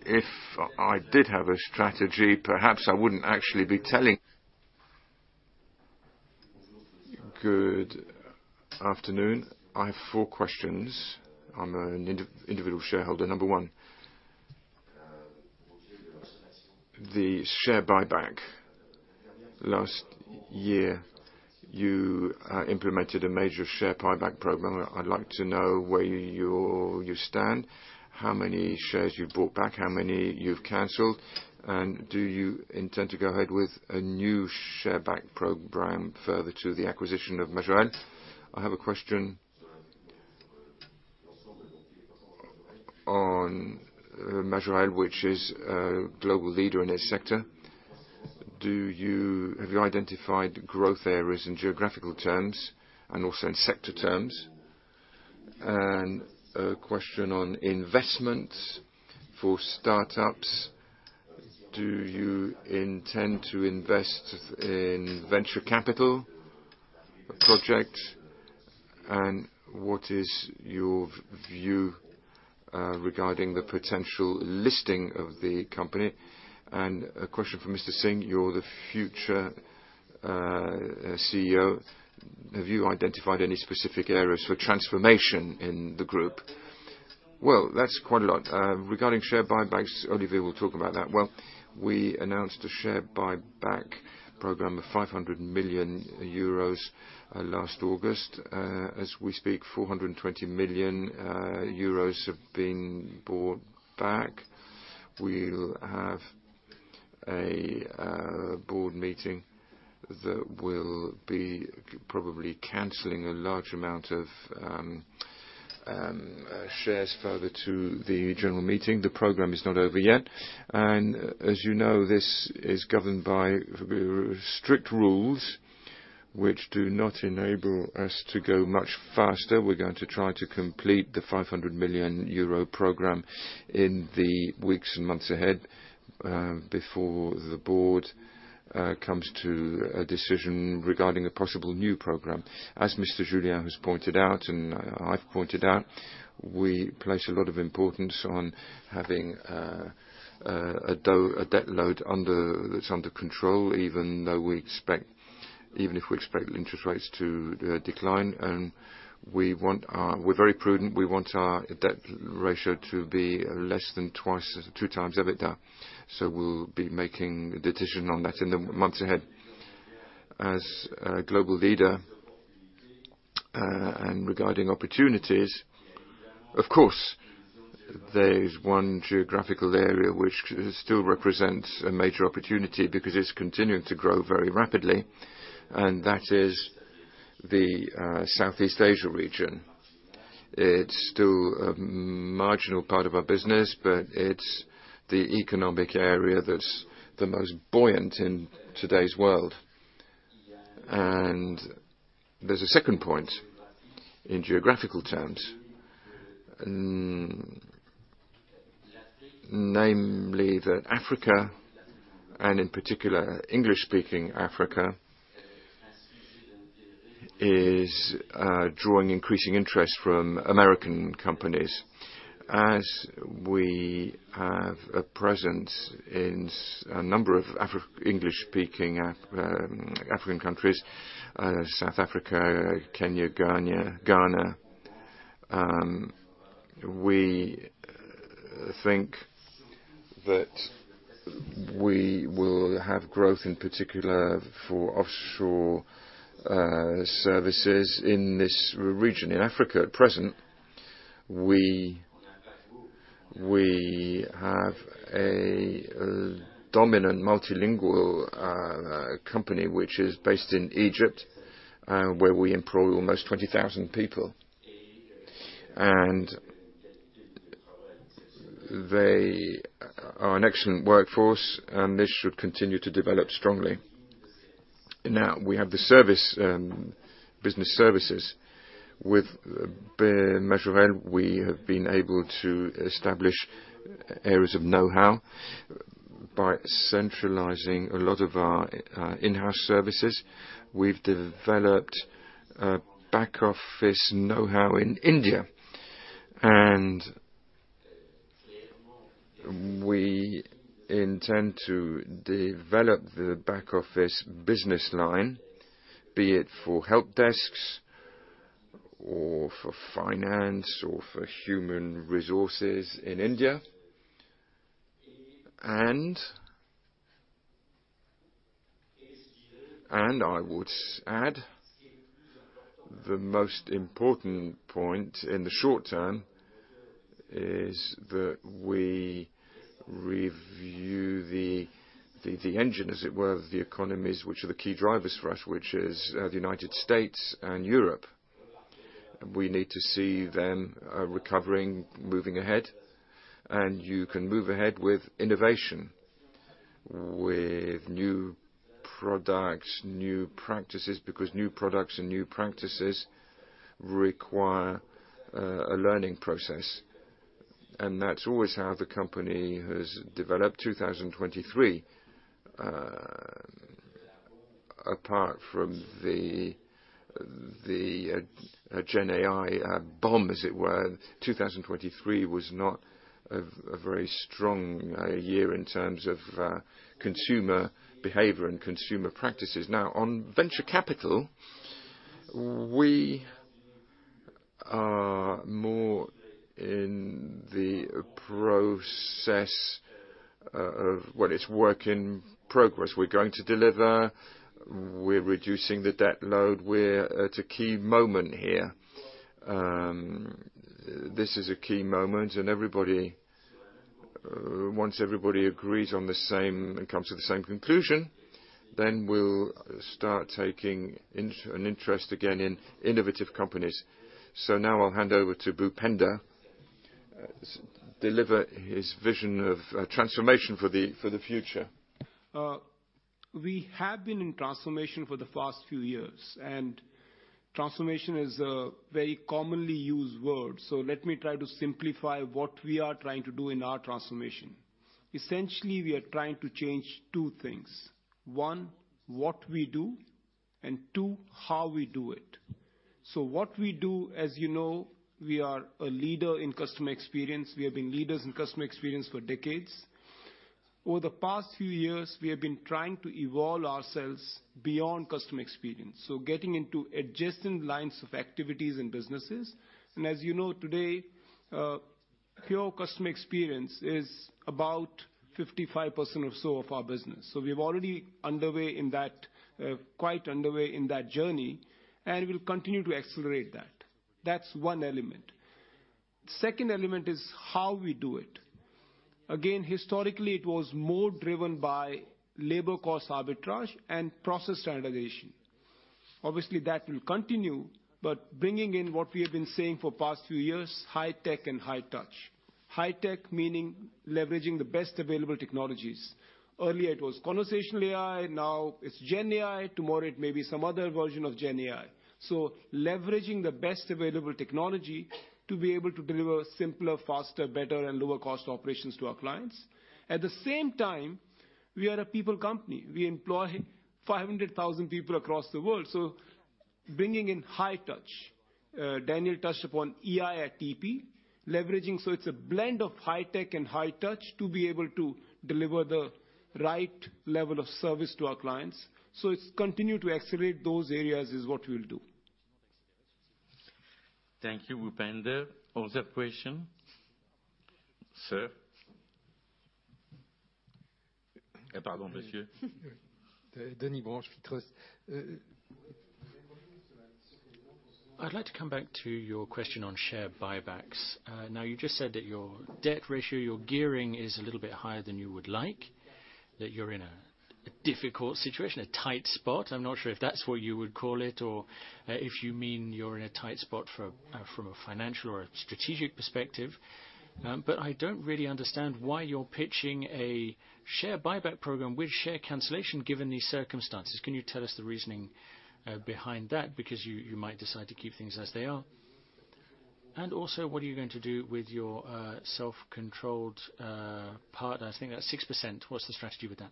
Speaker 1: if I did have a strategy, perhaps I wouldn't actually be telling- Good afternoon. I have four questions. I'm an individual shareholder. Number one, the share buyback. Last year, you implemented a major share buyback program. I'd like to know where you stand, how many shares you bought back, how many you've canceled, and do you intend to go ahead with a new share buyback program further to the acquisition of Majorel? I have a question on Majorel, which is a global leader in its sector. Have you identified growth areas in geographical terms and also in sector terms? And a question on investments for start-ups. Do you intend to invest in venture capital project? And what is your view regarding the potential listing of the company? And a question for Mr. Singh: You're the future CEO, have you identified any specific areas for transformation in the group? Well, that's quite a lot. Regarding share buybacks, Olivier will talk about that. Well, we announced a share buyback program of 500 million euros last August. As we speak, 420 million euros have been bought back. We'll have a board meeting that will be probably canceling a large amount of shares further to the General Meeting. The program is not over yet, and as you know, this is governed by strict rules, which do not enable us to go much faster. We're going to try to complete the 500 million euro program in the weeks and months ahead, before the board comes to a decision regarding a possible new program. As Mr. Julien has pointed out, and I've pointed out, we place a lot of importance on having a debt load that's under control, even if we expect interest rates to decline, and we want our. We're very prudent, we want our debt ratio to be less than twice, two times EBITDA, so we'll be making the decision on that in the months ahead. As a global leader, and regarding opportunities, of course, there's one geographical area which still represents a major opportunity because it's continuing to grow very rapidly, and that is the Southeast Asia region. It's still a marginal part of our business, but it's the economic area that's the most buoyant in today's world. And there's a second point in geographical terms, namely, that Africa, and in particular, English-speaking Africa, is drawing increasing interest from American companies. As we have a presence in a number of English-speaking African countries, South Africa, Kenya, Ghana, we think that we will have growth, in particular for offshore services in this region. In Africa, at present, we have a dominant multilingual company, which is based in Egypt, where we employ almost 20,000 people, and they are an excellent workforce, and this should continue to develop strongly. Now, we have the service business services. With Majorel, we have been able to establish areas of know-how by centralizing a lot of our in-house services. We've developed a back office know-how in India, and we intend to develop the back office business line, be it for help desks or for finance or for human resources in India. And I would add, the most important point in the short term is that we review the engine, as it were, of the economies, which are the key drivers for us, which is the United States and Europe. We need to see them recovering, moving ahead, and you can move ahead with innovation, with new products, new practices, because new products and new practices require a learning process, and that's always how the company has developed. 2023, apart from the GenAI bomb, as it were, 2023 was not a very strong year in terms of consumer behavior and consumer practices. Now, on venture capital, we are more in the process of... Well, it's work in progress. We're going to deliver, we're reducing the debt load, we're at a key moment here. This is a key moment, and everybody, once everybody agrees on the same and comes to the same conclusion, then we'll start taking an interest again in innovative companies. So now I'll hand over to Bhupinder, deliver his vision of transformation for the future....
Speaker 5: We have been in transformation for the past few years, and transformation is a very commonly used word, so let me try to simplify what we are trying to do in our transformation. Essentially, we are trying to change two things. One, what we do, and two, how we do it. So what we do, as you know, we are a leader in customer experience. We have been leaders in customer experience for decades. Over the past few years, we have been trying to evolve ourselves beyond customer experience, so getting into adjacent lines of activities and businesses. And as you know, today, pure customer experience is about 55% or so of our business. So we're already underway in that, quite underway in that journey, and we'll continue to accelerate that. That's one element. Second element is how we do it. Again, historically, it was more driven by labor cost arbitrage and process standardization. Obviously, that will continue, but bringing in what we have been saying for past few years, high tech and high touch. High tech, meaning leveraging the best available technologies. Earlier, it was conversational AI, now it's GenAI, tomorrow, it may be some other version of GenAI. So leveraging the best available technology to be able to deliver simpler, faster, better, and lower cost operations to our clients. At the same time, we are a people company. We employ 500,000 people across the world, so bringing in high touch. Daniel touched upon EI at TP, leveraging, so it's a blend of high tech and high touch to be able to deliver the right level of service to our clients. So it's continue to accelerate those areas is what we'll do.
Speaker 2: Thank you, Bhupinder. Other question? Sir. Denis Branche, Phitrust. I'd like to come back to your question on share buybacks. Now, you just said that your debt ratio, your gearing, is a little bit higher than you would like, that you're in a difficult situation, a tight spot. I'm not sure if that's what you would call it, or if you mean you're in a tight spot from from a financial or a strategic perspective. But I don't really understand why you're pitching a share buyback program with share cancellation, given these circumstances. Can you tell us the reasoning behind that? Because you might decide to keep things as they are. And also, what are you going to do with your self-controlled partner? I think that's 6%. What's the strategy with that?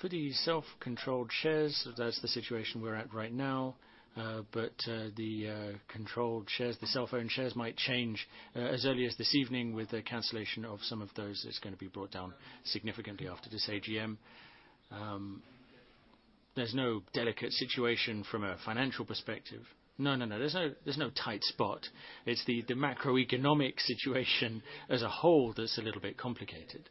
Speaker 2: For the self-controlled shares, that's the situation we're at right now. But, the controlled shares, the self-owned shares, might change as early as this evening with the cancellation of some of those. It's gonna be brought down significantly after this AGM. There's no delicate situation from a financial perspective. No, no, no, there's no tight spot. It's the macroeconomic situation as a whole that's a little bit complicated.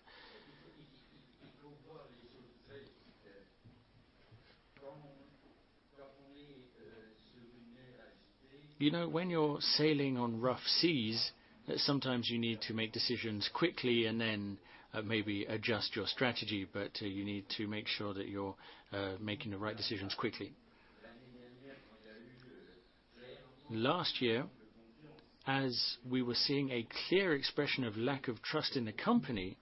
Speaker 2: You know, when you're sailing on rough seas, sometimes you need to make decisions quickly and then maybe adjust your strategy, but you need to make sure that you're making the right decisions quickly. Last year, as we were seeing a clear expression of lack of trust in the company,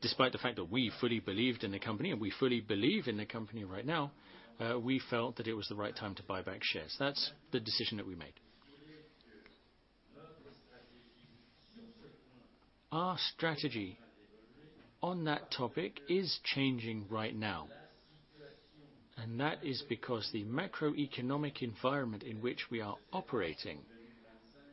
Speaker 2: despite the fact that we fully believed in the company, and we fully believe in the company right now, we felt that it was the right time to buy back shares. That's the decision that we made. Our strategy on that topic is changing right now, and that is because the macroeconomic environment in which we are operating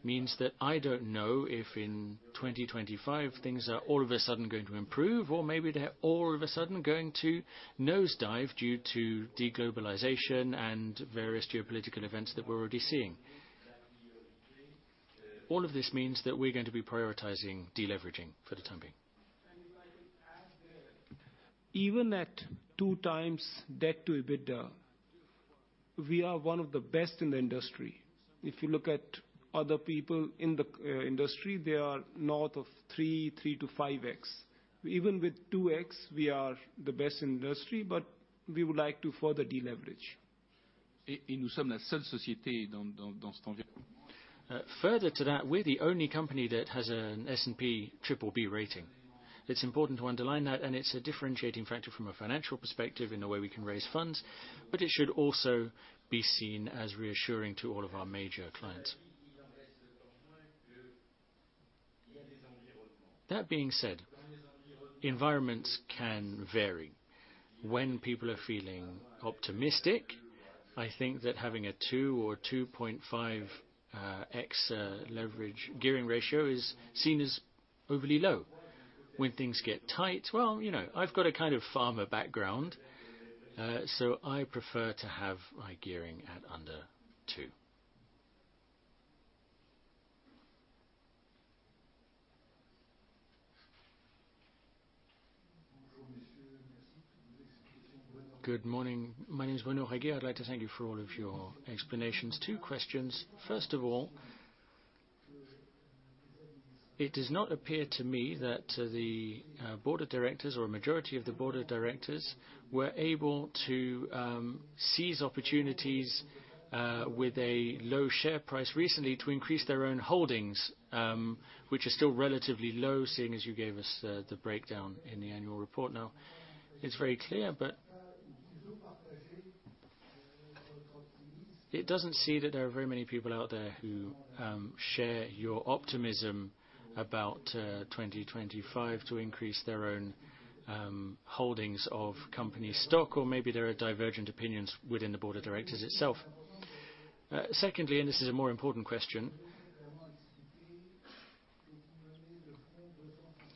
Speaker 2: means that I don't know if in 2025, things are all of a sudden going to improve, or maybe they're all of a sudden going to nosedive due to deglobalization and various geopolitical events that we're already seeing. All of this means that we're going to be prioritizing deleveraging for the time being.
Speaker 5: Even at 2x debt to EBITDA, we are one of the best in the industry. If you look at other people in the industry, they are north of 3, 3-5x. Even with 2x, we are the best in the industry, but we would like to further deleverage.
Speaker 2: Further to that, we're the only company that has an S&P triple B rating. It's important to underline that, and it's a differentiating factor from a financial perspective in the way we can raise funds, but it should also be seen as reassuring to all of our major clients. That being said, environments can vary. When people are feeling optimistic, I think that having a 2 or 2.5x leverage gearing ratio is seen as overly low. When things get tight, well, you know, I've got a kind of farmer background, so I prefer to have my gearing at under 2. Good morning. My name is Benoit Rieg. I'd like to thank you for all of your explanations. Two questions. First of all, it does not appear to me that the Board of Directors or a majority of the Board of Directors were able to seize opportunities with a low share price recently to increase their own holdings, which are still relatively low, seeing as you gave us the breakdown in the annual report. Now, it's very clear. It doesn't seem that there are very many people out there who share your optimism about 2025 to increase their own holdings of company stock, or maybe there are divergent opinions within the Board of Directors itself. Secondly, and this is a more important question,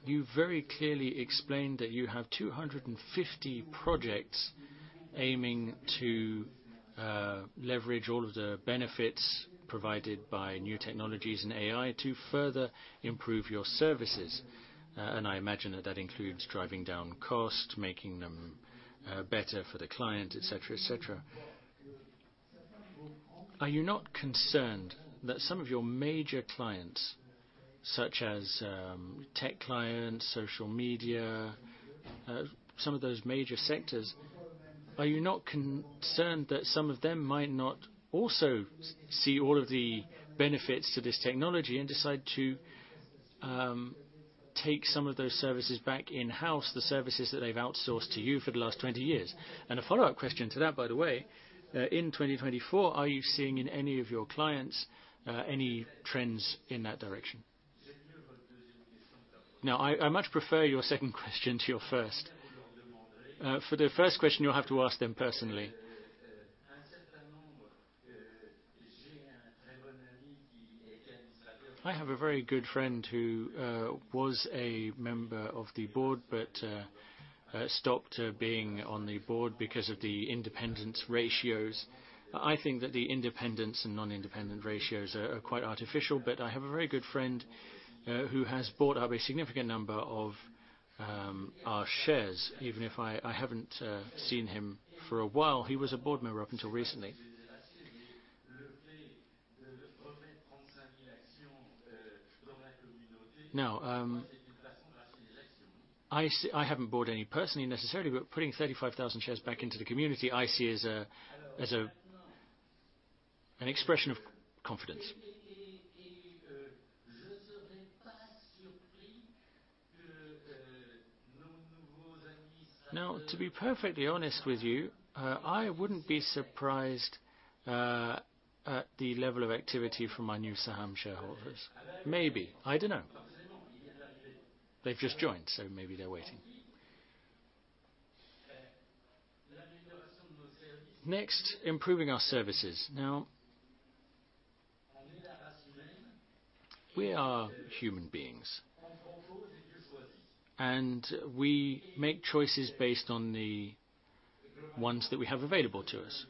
Speaker 2: you very clearly explained that you have 250 projects aiming to leverage all of the benefits provided by new technologies and AI to further improve your services. And I imagine that that includes driving down cost, making them, better for the client, et cetera, et cetera. Are you not concerned that some of your major clients, such as, tech clients, social media, some of those major sectors, are you not concerned that some of them might not also see all of the benefits to this technology and decide to, take some of those services back in-house, the services that they've outsourced to you for the last 20 years? And a follow-up question to that, by the way, in 2024, are you seeing in any of your clients, any trends in that direction? Now, I, I much prefer your second question to your first. For the first question, you'll have to ask them personally. I have a very good friend who was a member of the board, but stopped being on the board because of the independence ratios. I think that the independence and non-independent ratios are quite artificial, but I have a very good friend who has bought up a significant number of our shares, even if I haven't seen him for a while. He was a board member up until recently. Now, I see—I haven't bought any personally, necessarily, but putting 35,000 shares back into the community, I see as an expression of confidence. Now, to be perfectly honest with you, I wouldn't be surprised at the level of activity from my new Saham shareholders. Maybe, I don't know. They've just joined, so maybe they're waiting. Next, improving our services. Now, we are human beings, and we make choices based on the ones that we have available to us.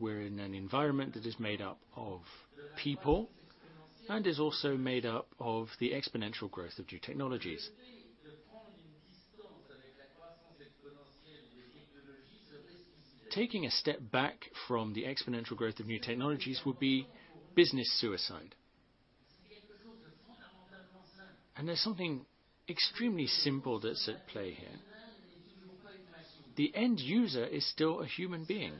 Speaker 2: We're in an environment that is made up of people and is also made up of the exponential growth of new technologies. Taking a step back from the exponential growth of new technologies would be business suicide. And there's something extremely simple that's at play here. The end user is still a human being.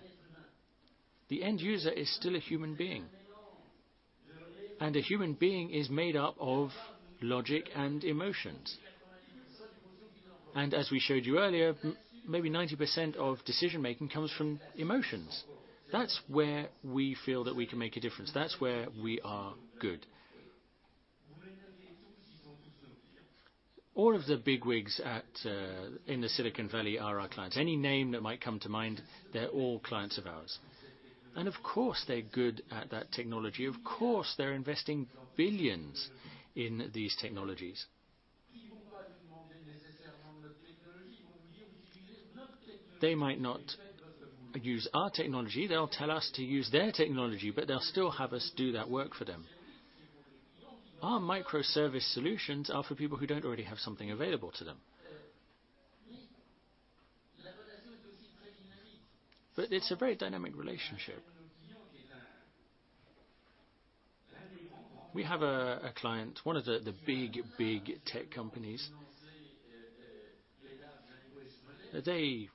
Speaker 2: The end user is still a human being, and a human being is made up of logic and emotions. And as we showed you earlier, maybe 90% of decision-making comes from emotions. That's where we feel that we can make a difference. That's where we are good. All of the bigwigs at, in the Silicon Valley are our clients. Any name that might come to mind, they're all clients of ours. And of course, they're good at that technology. Of course, they're investing billions in these technologies. They might not use our technology. They'll tell us to use their technology, but they'll still have us do that work for them. Our micro service solutions are for people who don't already have something available to them. But it's a very dynamic relationship. We have a client, one of the big tech companies. They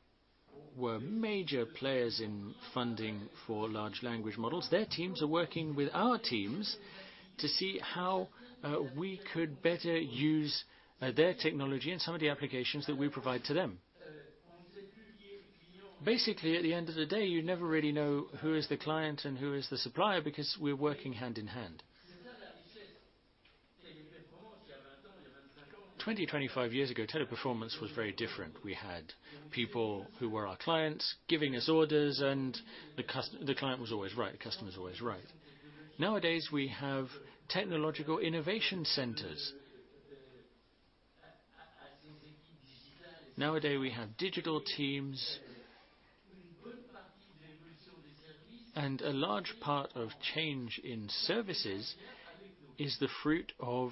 Speaker 2: were major players in funding for large language models. Their teams are working with our teams to see how we could better use their technology and some of the applications that we provide to them. Basically, at the end of the day, you never really know who is the client and who is the supplier, because we're working hand in hand. Twenty-five years ago, Teleperformance was very different. We had people who were our clients, giving us orders, and the client was always right. The customer is always right. Nowadays, we have technological innovation centers. Nowadays, we have digital teams, and a large part of change in services is the fruit of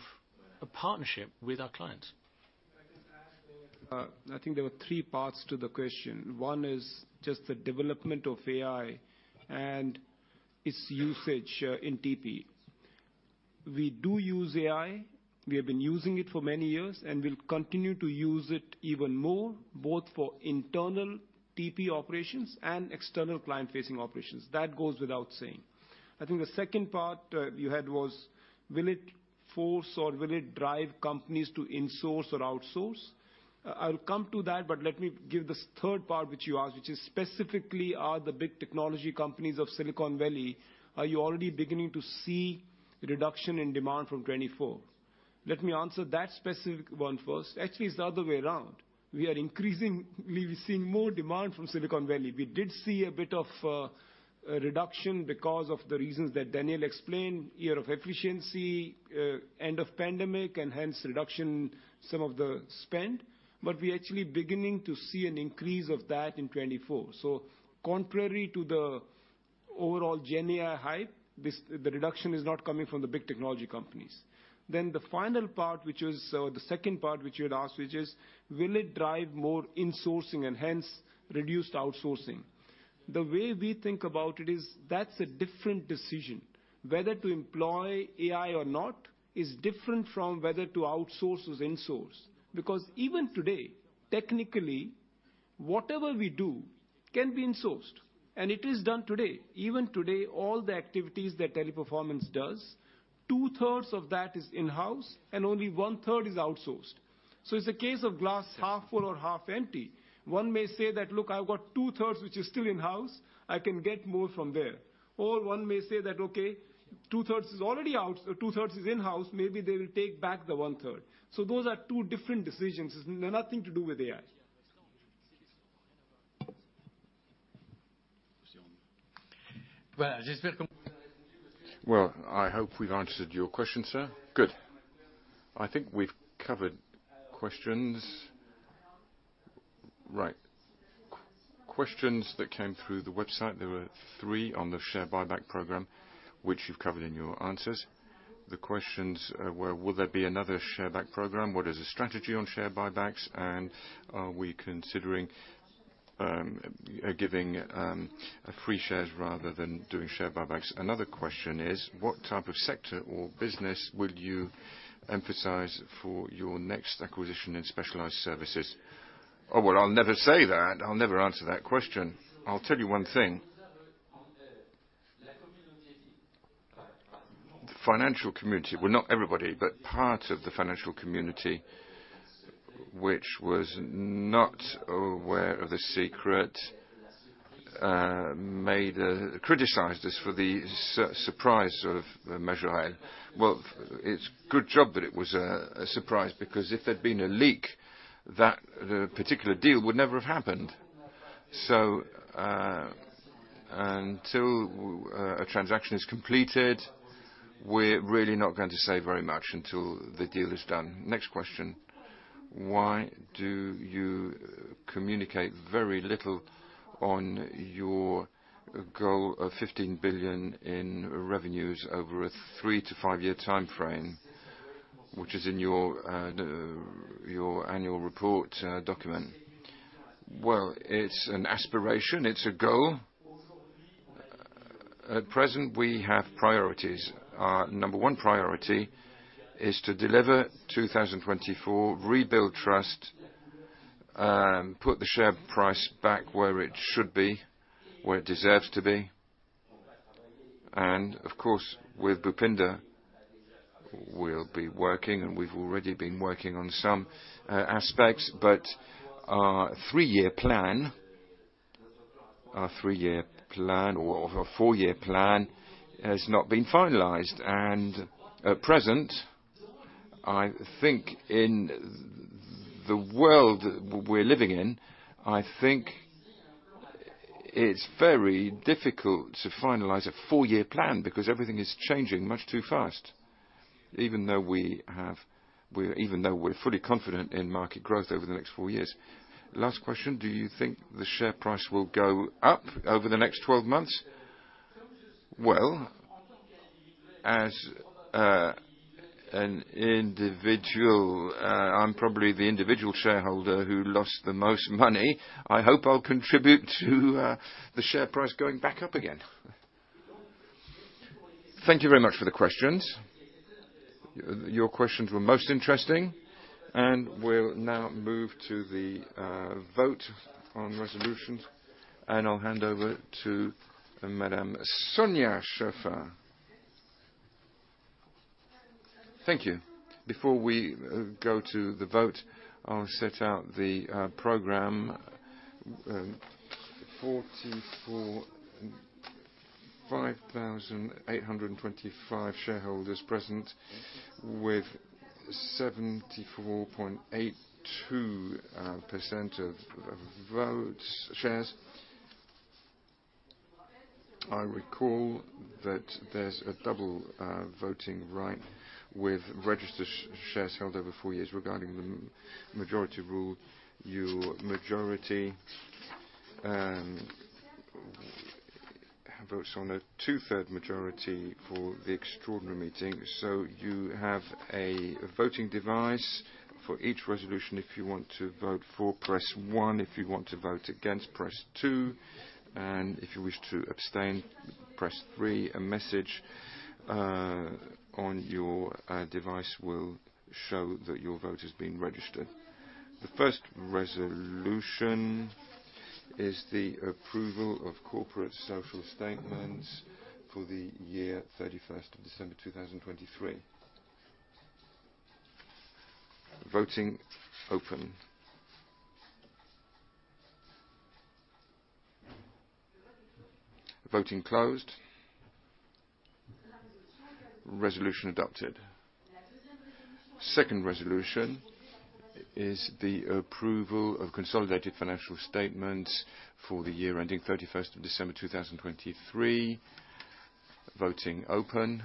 Speaker 2: a partnership with our clients.
Speaker 5: I think there were three parts to the question. One is just the development of AI and its usage in TP. We do use AI, we have been using it for many years, and we'll continue to use it even more, both for internal TP operations and external client-facing operations. That goes without saying. I think the second part you had was... Will it force or will it drive companies to insource or outsource? I'll come to that, but let me give this third part which you asked, which is specifically, are the big technology companies of Silicon Valley, are you already beginning to see reduction in demand from 2024? Let me answer that specific one first. Actually, it's the other way around. We are increasing—we've seen more demand from Silicon Valley. We did see a bit of a reduction because of the reasons that Daniel explained, year of efficiency, end of pandemic, and hence reduction some of the spend, but we're actually beginning to see an increase of that in 2024. So contrary to the overall GenAI hype, this, the reduction is not coming from the big technology companies. Then the final part, which is the second part, which you had asked, which is will it drive more insourcing and hence reduced outsourcing? The way we think about it is that's a different decision. Whether to employ AI or not, is different from whether to outsource or insource. Because even today, technically, whatever we do can be insourced, and it is done today. Even today, all the activities that Teleperformance does, two-thirds of that is in-house, and only one-third is outsourced. So it's a case of glass half full or half empty. One may say that, "Look, I've got two-thirds, which is still in-house. I can get more from there." Or one may say that, "Okay, two-thirds is already out, so two-thirds is in-house, maybe they will take back the one-third." So those are two different decisions. It's nothing to do with AI.
Speaker 1: Well, I hope we've answered your question, sir. Good. I think we've covered questions. Right. Questions that came through the website, there were three on the share buyback program, which you've covered in your answers. The questions were: Will there be another share buyback program? What is the strategy on share buybacks? And are we considering giving free shares rather than doing share buybacks? Another question is, what type of sector or business would you emphasize for your next acquisition in specialized services? Oh, well, I'll never say that. I'll never answer that question. I'll tell you one thing. The financial community, well, not everybody, but part of the financial community, which was not aware of the secret, criticized us for the surprise of the Majorel. Well, it's good job that it was a surprise, because if there'd been a leak, that particular deal would never have happened. So, until a transaction is completed, we're really not going to say very much until the deal is done. Next question: Why do you communicate very little on your goal of 15 billion in revenues over a 3-5-year time frame, which is in your annual report document? Well, it's an aspiration, it's a goal. At present, we have priorities. Our number one priority is to deliver 2024, rebuild trust, put the share price back where it should be, where it deserves to be. And of course, with Bhupinder, we'll be working, and we've already been working on some aspects, but our 3-year plan, our 3-year plan or our 4-year plan has not been finalized. And at present, I think in the world we're living in, I think it's very difficult to finalize a 4-year plan because everything is changing much too fast, even though we're fully confident in market growth over the next 4 years. Last question: Do you think the share price will go up over the next 12 months? Well, as an individual, I'm probably the individual shareholder who lost the most money. I hope I'll contribute to the share price going back up again. Thank you very much for the questions. Your questions were most interesting, and we'll now move to the vote on resolutions, and I'll hand over to Madame Sonia Schaeffer. Thank you. Before we go to the vote, I'll set out the quorum, 45,825 shareholders present with 74.82% of vote shares. I recall that there's a double voting right with registered shares held over four years regarding the majority rule. Your majority votes on a two-third majority for the extraordinary meeting. So you have a voting device for each resolution. If you want to vote for, press 1, if you want to vote against, press 2, and if you wish to abstain, press 3. A message on your device will show that your vote has been registered. The first resolution-... is the approval of corporate social statements for the year 31st of December, 2023. Voting open. Voting closed. Resolution adopted. Second resolution is the approval of consolidated financial statements for the year ending 31st of December, 2023. Voting open.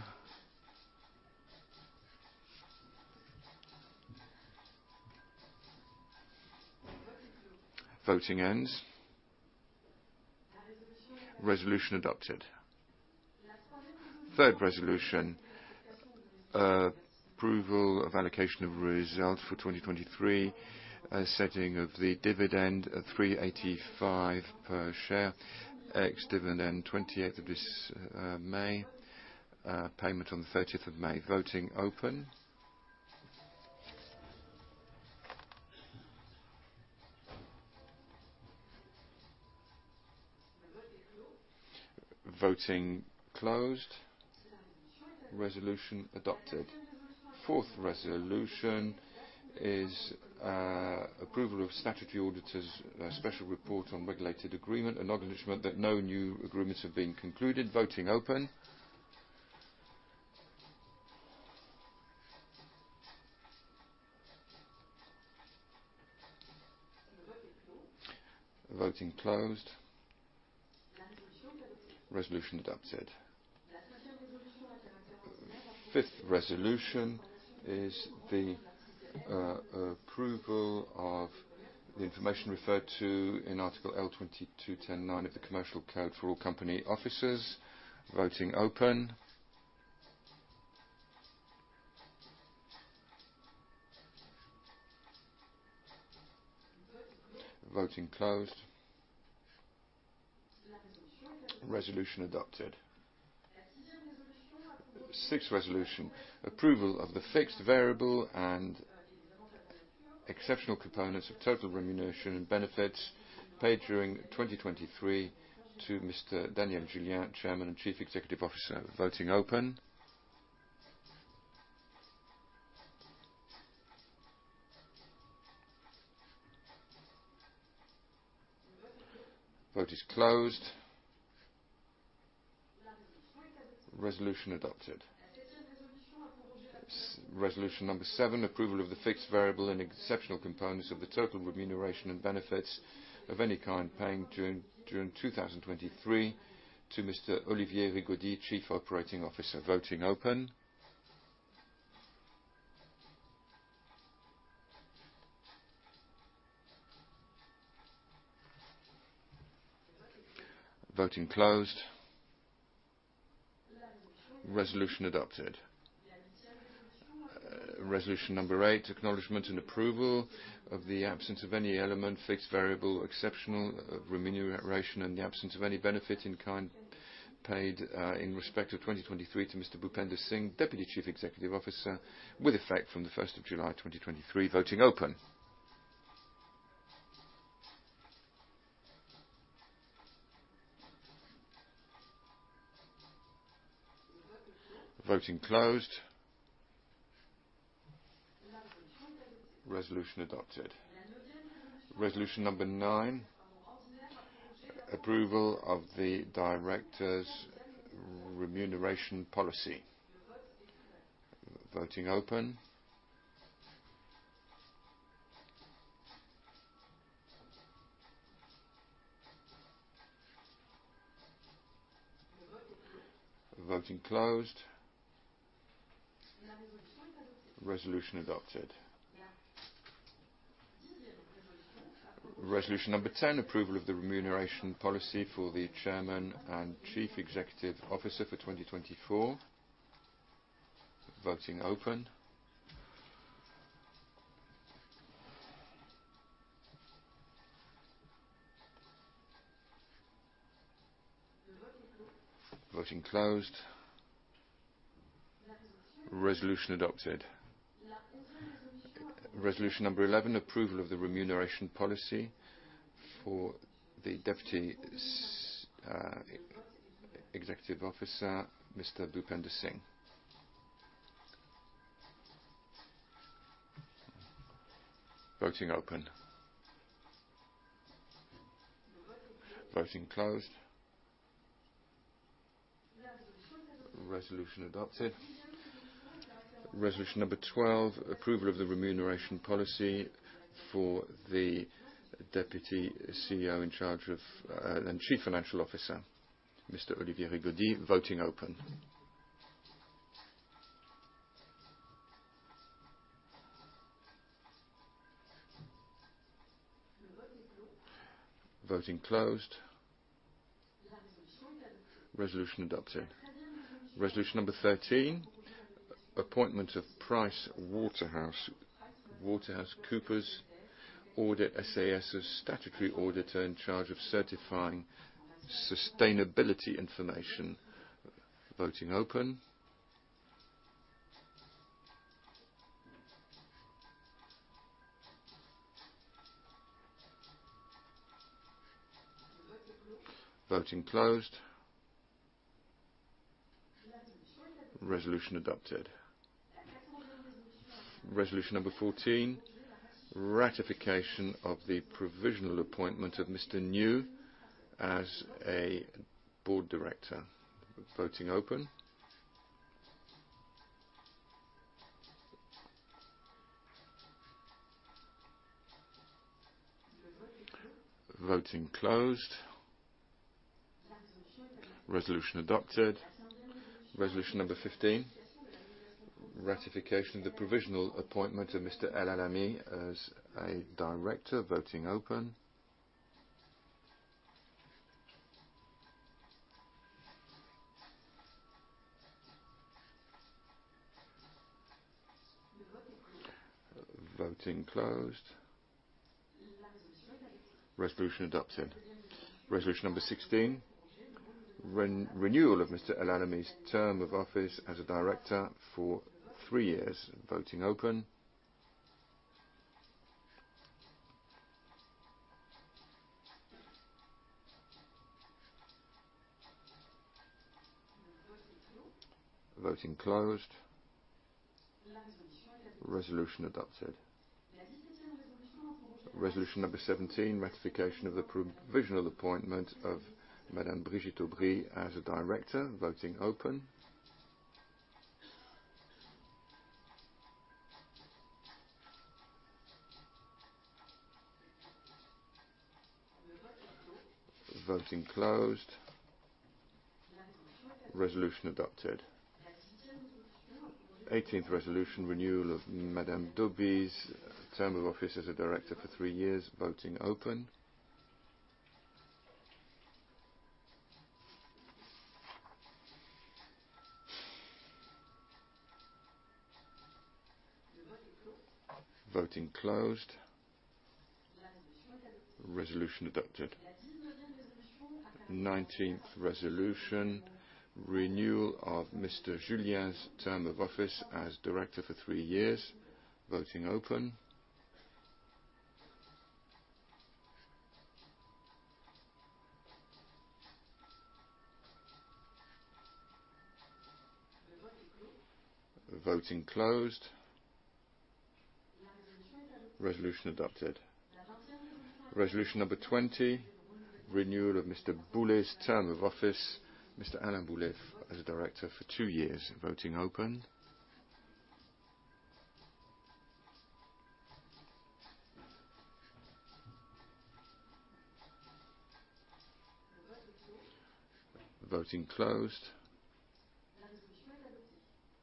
Speaker 1: Voting ends. Voting closed. Resolution adopted. Third resolution, approval of allocation of results for 2023, setting of the dividend at 3.85 per share, ex-dividend 28th of this May, payment on the 30th of May. Voting open. Voting closed. Resolution adopted. Fourth resolution is, approval of statutory auditors, special report on regulated agreement, acknowledgement that no new agreements have been concluded. Voting open. Voting closed. Resolution adopted. Fifth resolution is the, approval of the information referred to in Article L. 22-10-9 of the Commercial Code for all company officers. Voting open. Voting closed. Resolution adopted. Sixth resolution, approval of the fixed variable and exceptional components of total remuneration and benefits paid during 2023 to Mr. Daniel Julien, Chairman and Chief Executive Officer. Voting open. Vote is closed. Resolution adopted. Resolution number seven, approval of the fixed variable and exceptional components of the total remuneration and benefits of any kind paid during 2023 to Mr. Olivier Rigaudy, Deputy Chief Operating Officer. Voting open. Voting closed. Resolution adopted. Resolution number eight, acknowledgement and approval of the absence of any element, fixed, variable, exceptional remuneration, and the absence of any benefit in kind paid in respect of 2023 to Mr. Bhupender Singh, Deputy Chief Executive Officer, with effect from the first of July 2023. Voting open. Voting closed. Resolution adopted. Resolution number nine, approval of the directors' remuneration policy. Voting open. Voting closed. Resolution adopted. Resolution number 10, approval of the remuneration policy for the Chairman and Chief Executive Officer for 2024. Voting open. Voting closed. Resolution adopted. Resolution number 11, approval of the remuneration policy for the Deputy Executive Officer, Mr. Bhupender Singh. Voting open. Voting closed. Resolution adopted. Resolution number 12, approval of the remuneration policy for the Deputy CEO and GroupChief Financial Officer, Mr. Olivier Rigaudy. Voting open. Voting closed. Resolution adopted. Resolution number 13, appointment of PricewaterhouseCoopers Audit SAS as statutory auditor in charge of certifying sustainability information. Voting open. Voting closed. Resolution adopted. Resolution number 14, ratification of the provisional appointment of Mr. Nazemi as a board director. Voting open. Voting closed. Resolution adopted. Resolution number 15, ratification of the provisional appointment of Mr. Elalamy as a director. Voting open. Voting closed. Resolution adopted. Resolution number 16, renewal of Mr. Elalamy's term of office as a director for three years. Voting open. Voting closed. Resolution adopted. Resolution number 17, ratification of the provisional appointment of Madame Brigitte Daubry as a director. Voting open. Voting closed. Resolution adopted. 18th resolution, renewal of Madame Daubry's term of office as a director for three years. Voting open. Voting closed. Resolution adopted. 19th resolution, renewal of Mr. Julien's term of office as director for three years. Voting open. Voting closed. Resolution adopted. Resolution number 20, renewal of Mr. Boulet's term of office, Mr. Alain Boulet, as a director for two years. Voting open. Voting closed.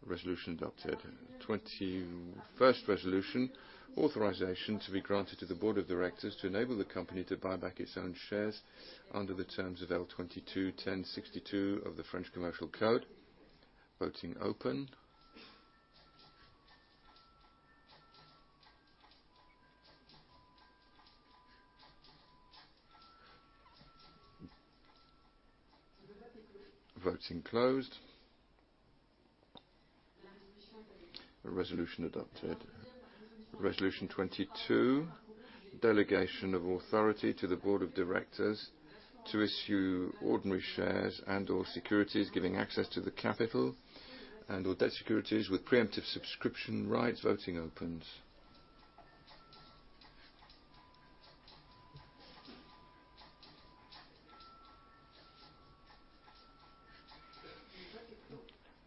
Speaker 1: Resolution adopted. 21st resolution, authorization to be granted to the Board of Directors to enable the company to buy back its own shares under the terms of L. 22-10-62 of the French Commercial Code. Voting open. Voting closed. Resolution adopted. Resolution 22, delegation of authority to the Board of Directors to issue ordinary shares and/or securities, giving access to the capital and/or debt securities with preemptive subscription rights. Voting open.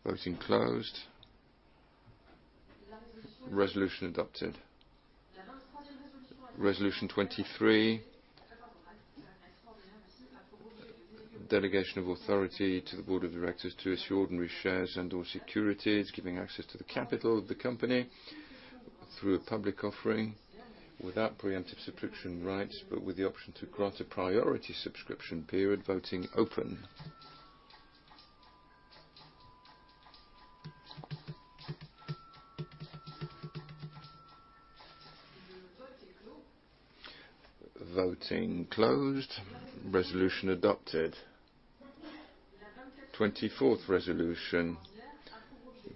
Speaker 1: Voting closed. Resolution adopted. Resolution 23, delegation of authority to the Board of Directors to issue ordinary shares and/or securities, giving access to the capital of the company through a public offering without preemptive subscription rights, but with the option to grant a priority subscription period. Voting open. Voting closed. Resolution adopted. 24th resolution,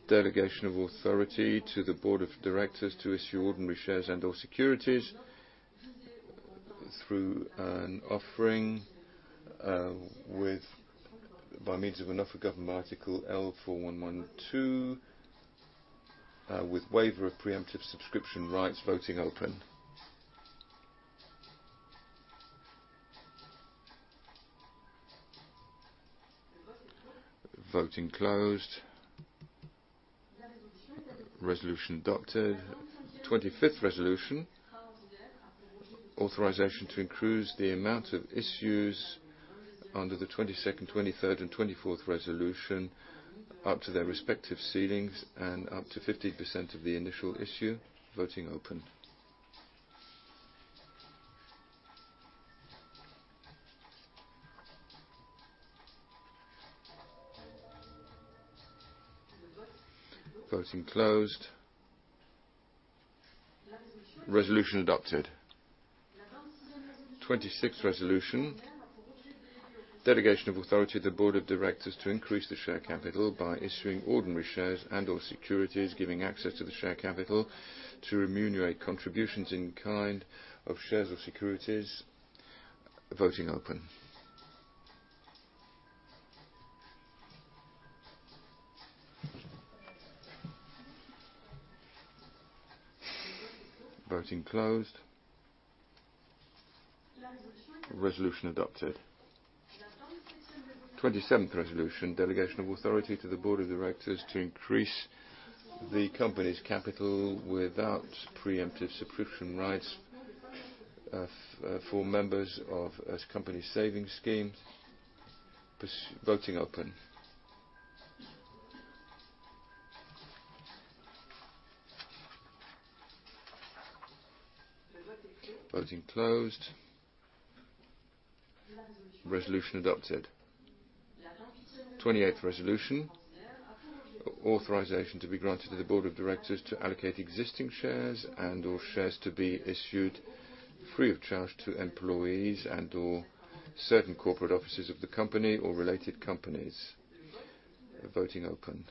Speaker 1: delegation of authority to the Board of Directors to issue ordinary shares and/or securities through an offering, by means of a public offering referred to in article L. 411-2, with waiver of preemptive subscription rights. Voting open. Voting closed. Resolution adopted. 25th resolution, authorization to increase the amount of issues under the 22nd, 23rd, and 24th resolution, up to their respective ceilings and up to 50% of the initial issue. Voting open. Voting closed. Resolution adopted.... 26th resolution: Delegation of authority to the Board of Directors to increase the share capital by issuing ordinary shares and or securities, giving access to the share capital to remunerate contributions in kind of shares or securities. Voting open. Voting closed. Resolution adopted. 27th resolution: Delegation of authority to the Board of Directors to increase the company's capital without preemptive subscription rights, for members of company savings scheme. Voting open. Voting closed. Resolution adopted. 28th resolution: Authorization to be granted to the Board of Directors to allocate existing shares and/or shares to be issued free of charge to employees and/or certain corporate officers of the company or related companies. Voting open.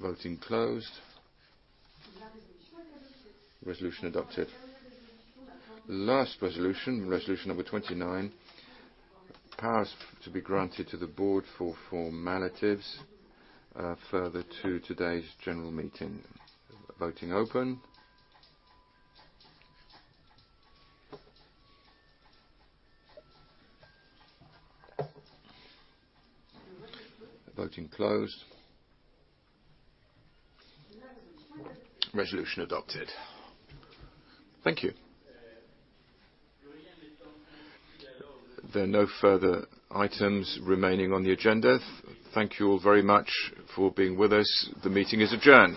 Speaker 1: Voting closed. Resolution adopted. Last resolution, resolution number 29: Powers to be granted to the board for formalities further to today's General Meeting. Voting open. Voting closed. Resolution adopted. Thank you. There are no further items remaining on the agenda. Thank you all very much for being with us. The meeting is adjourned.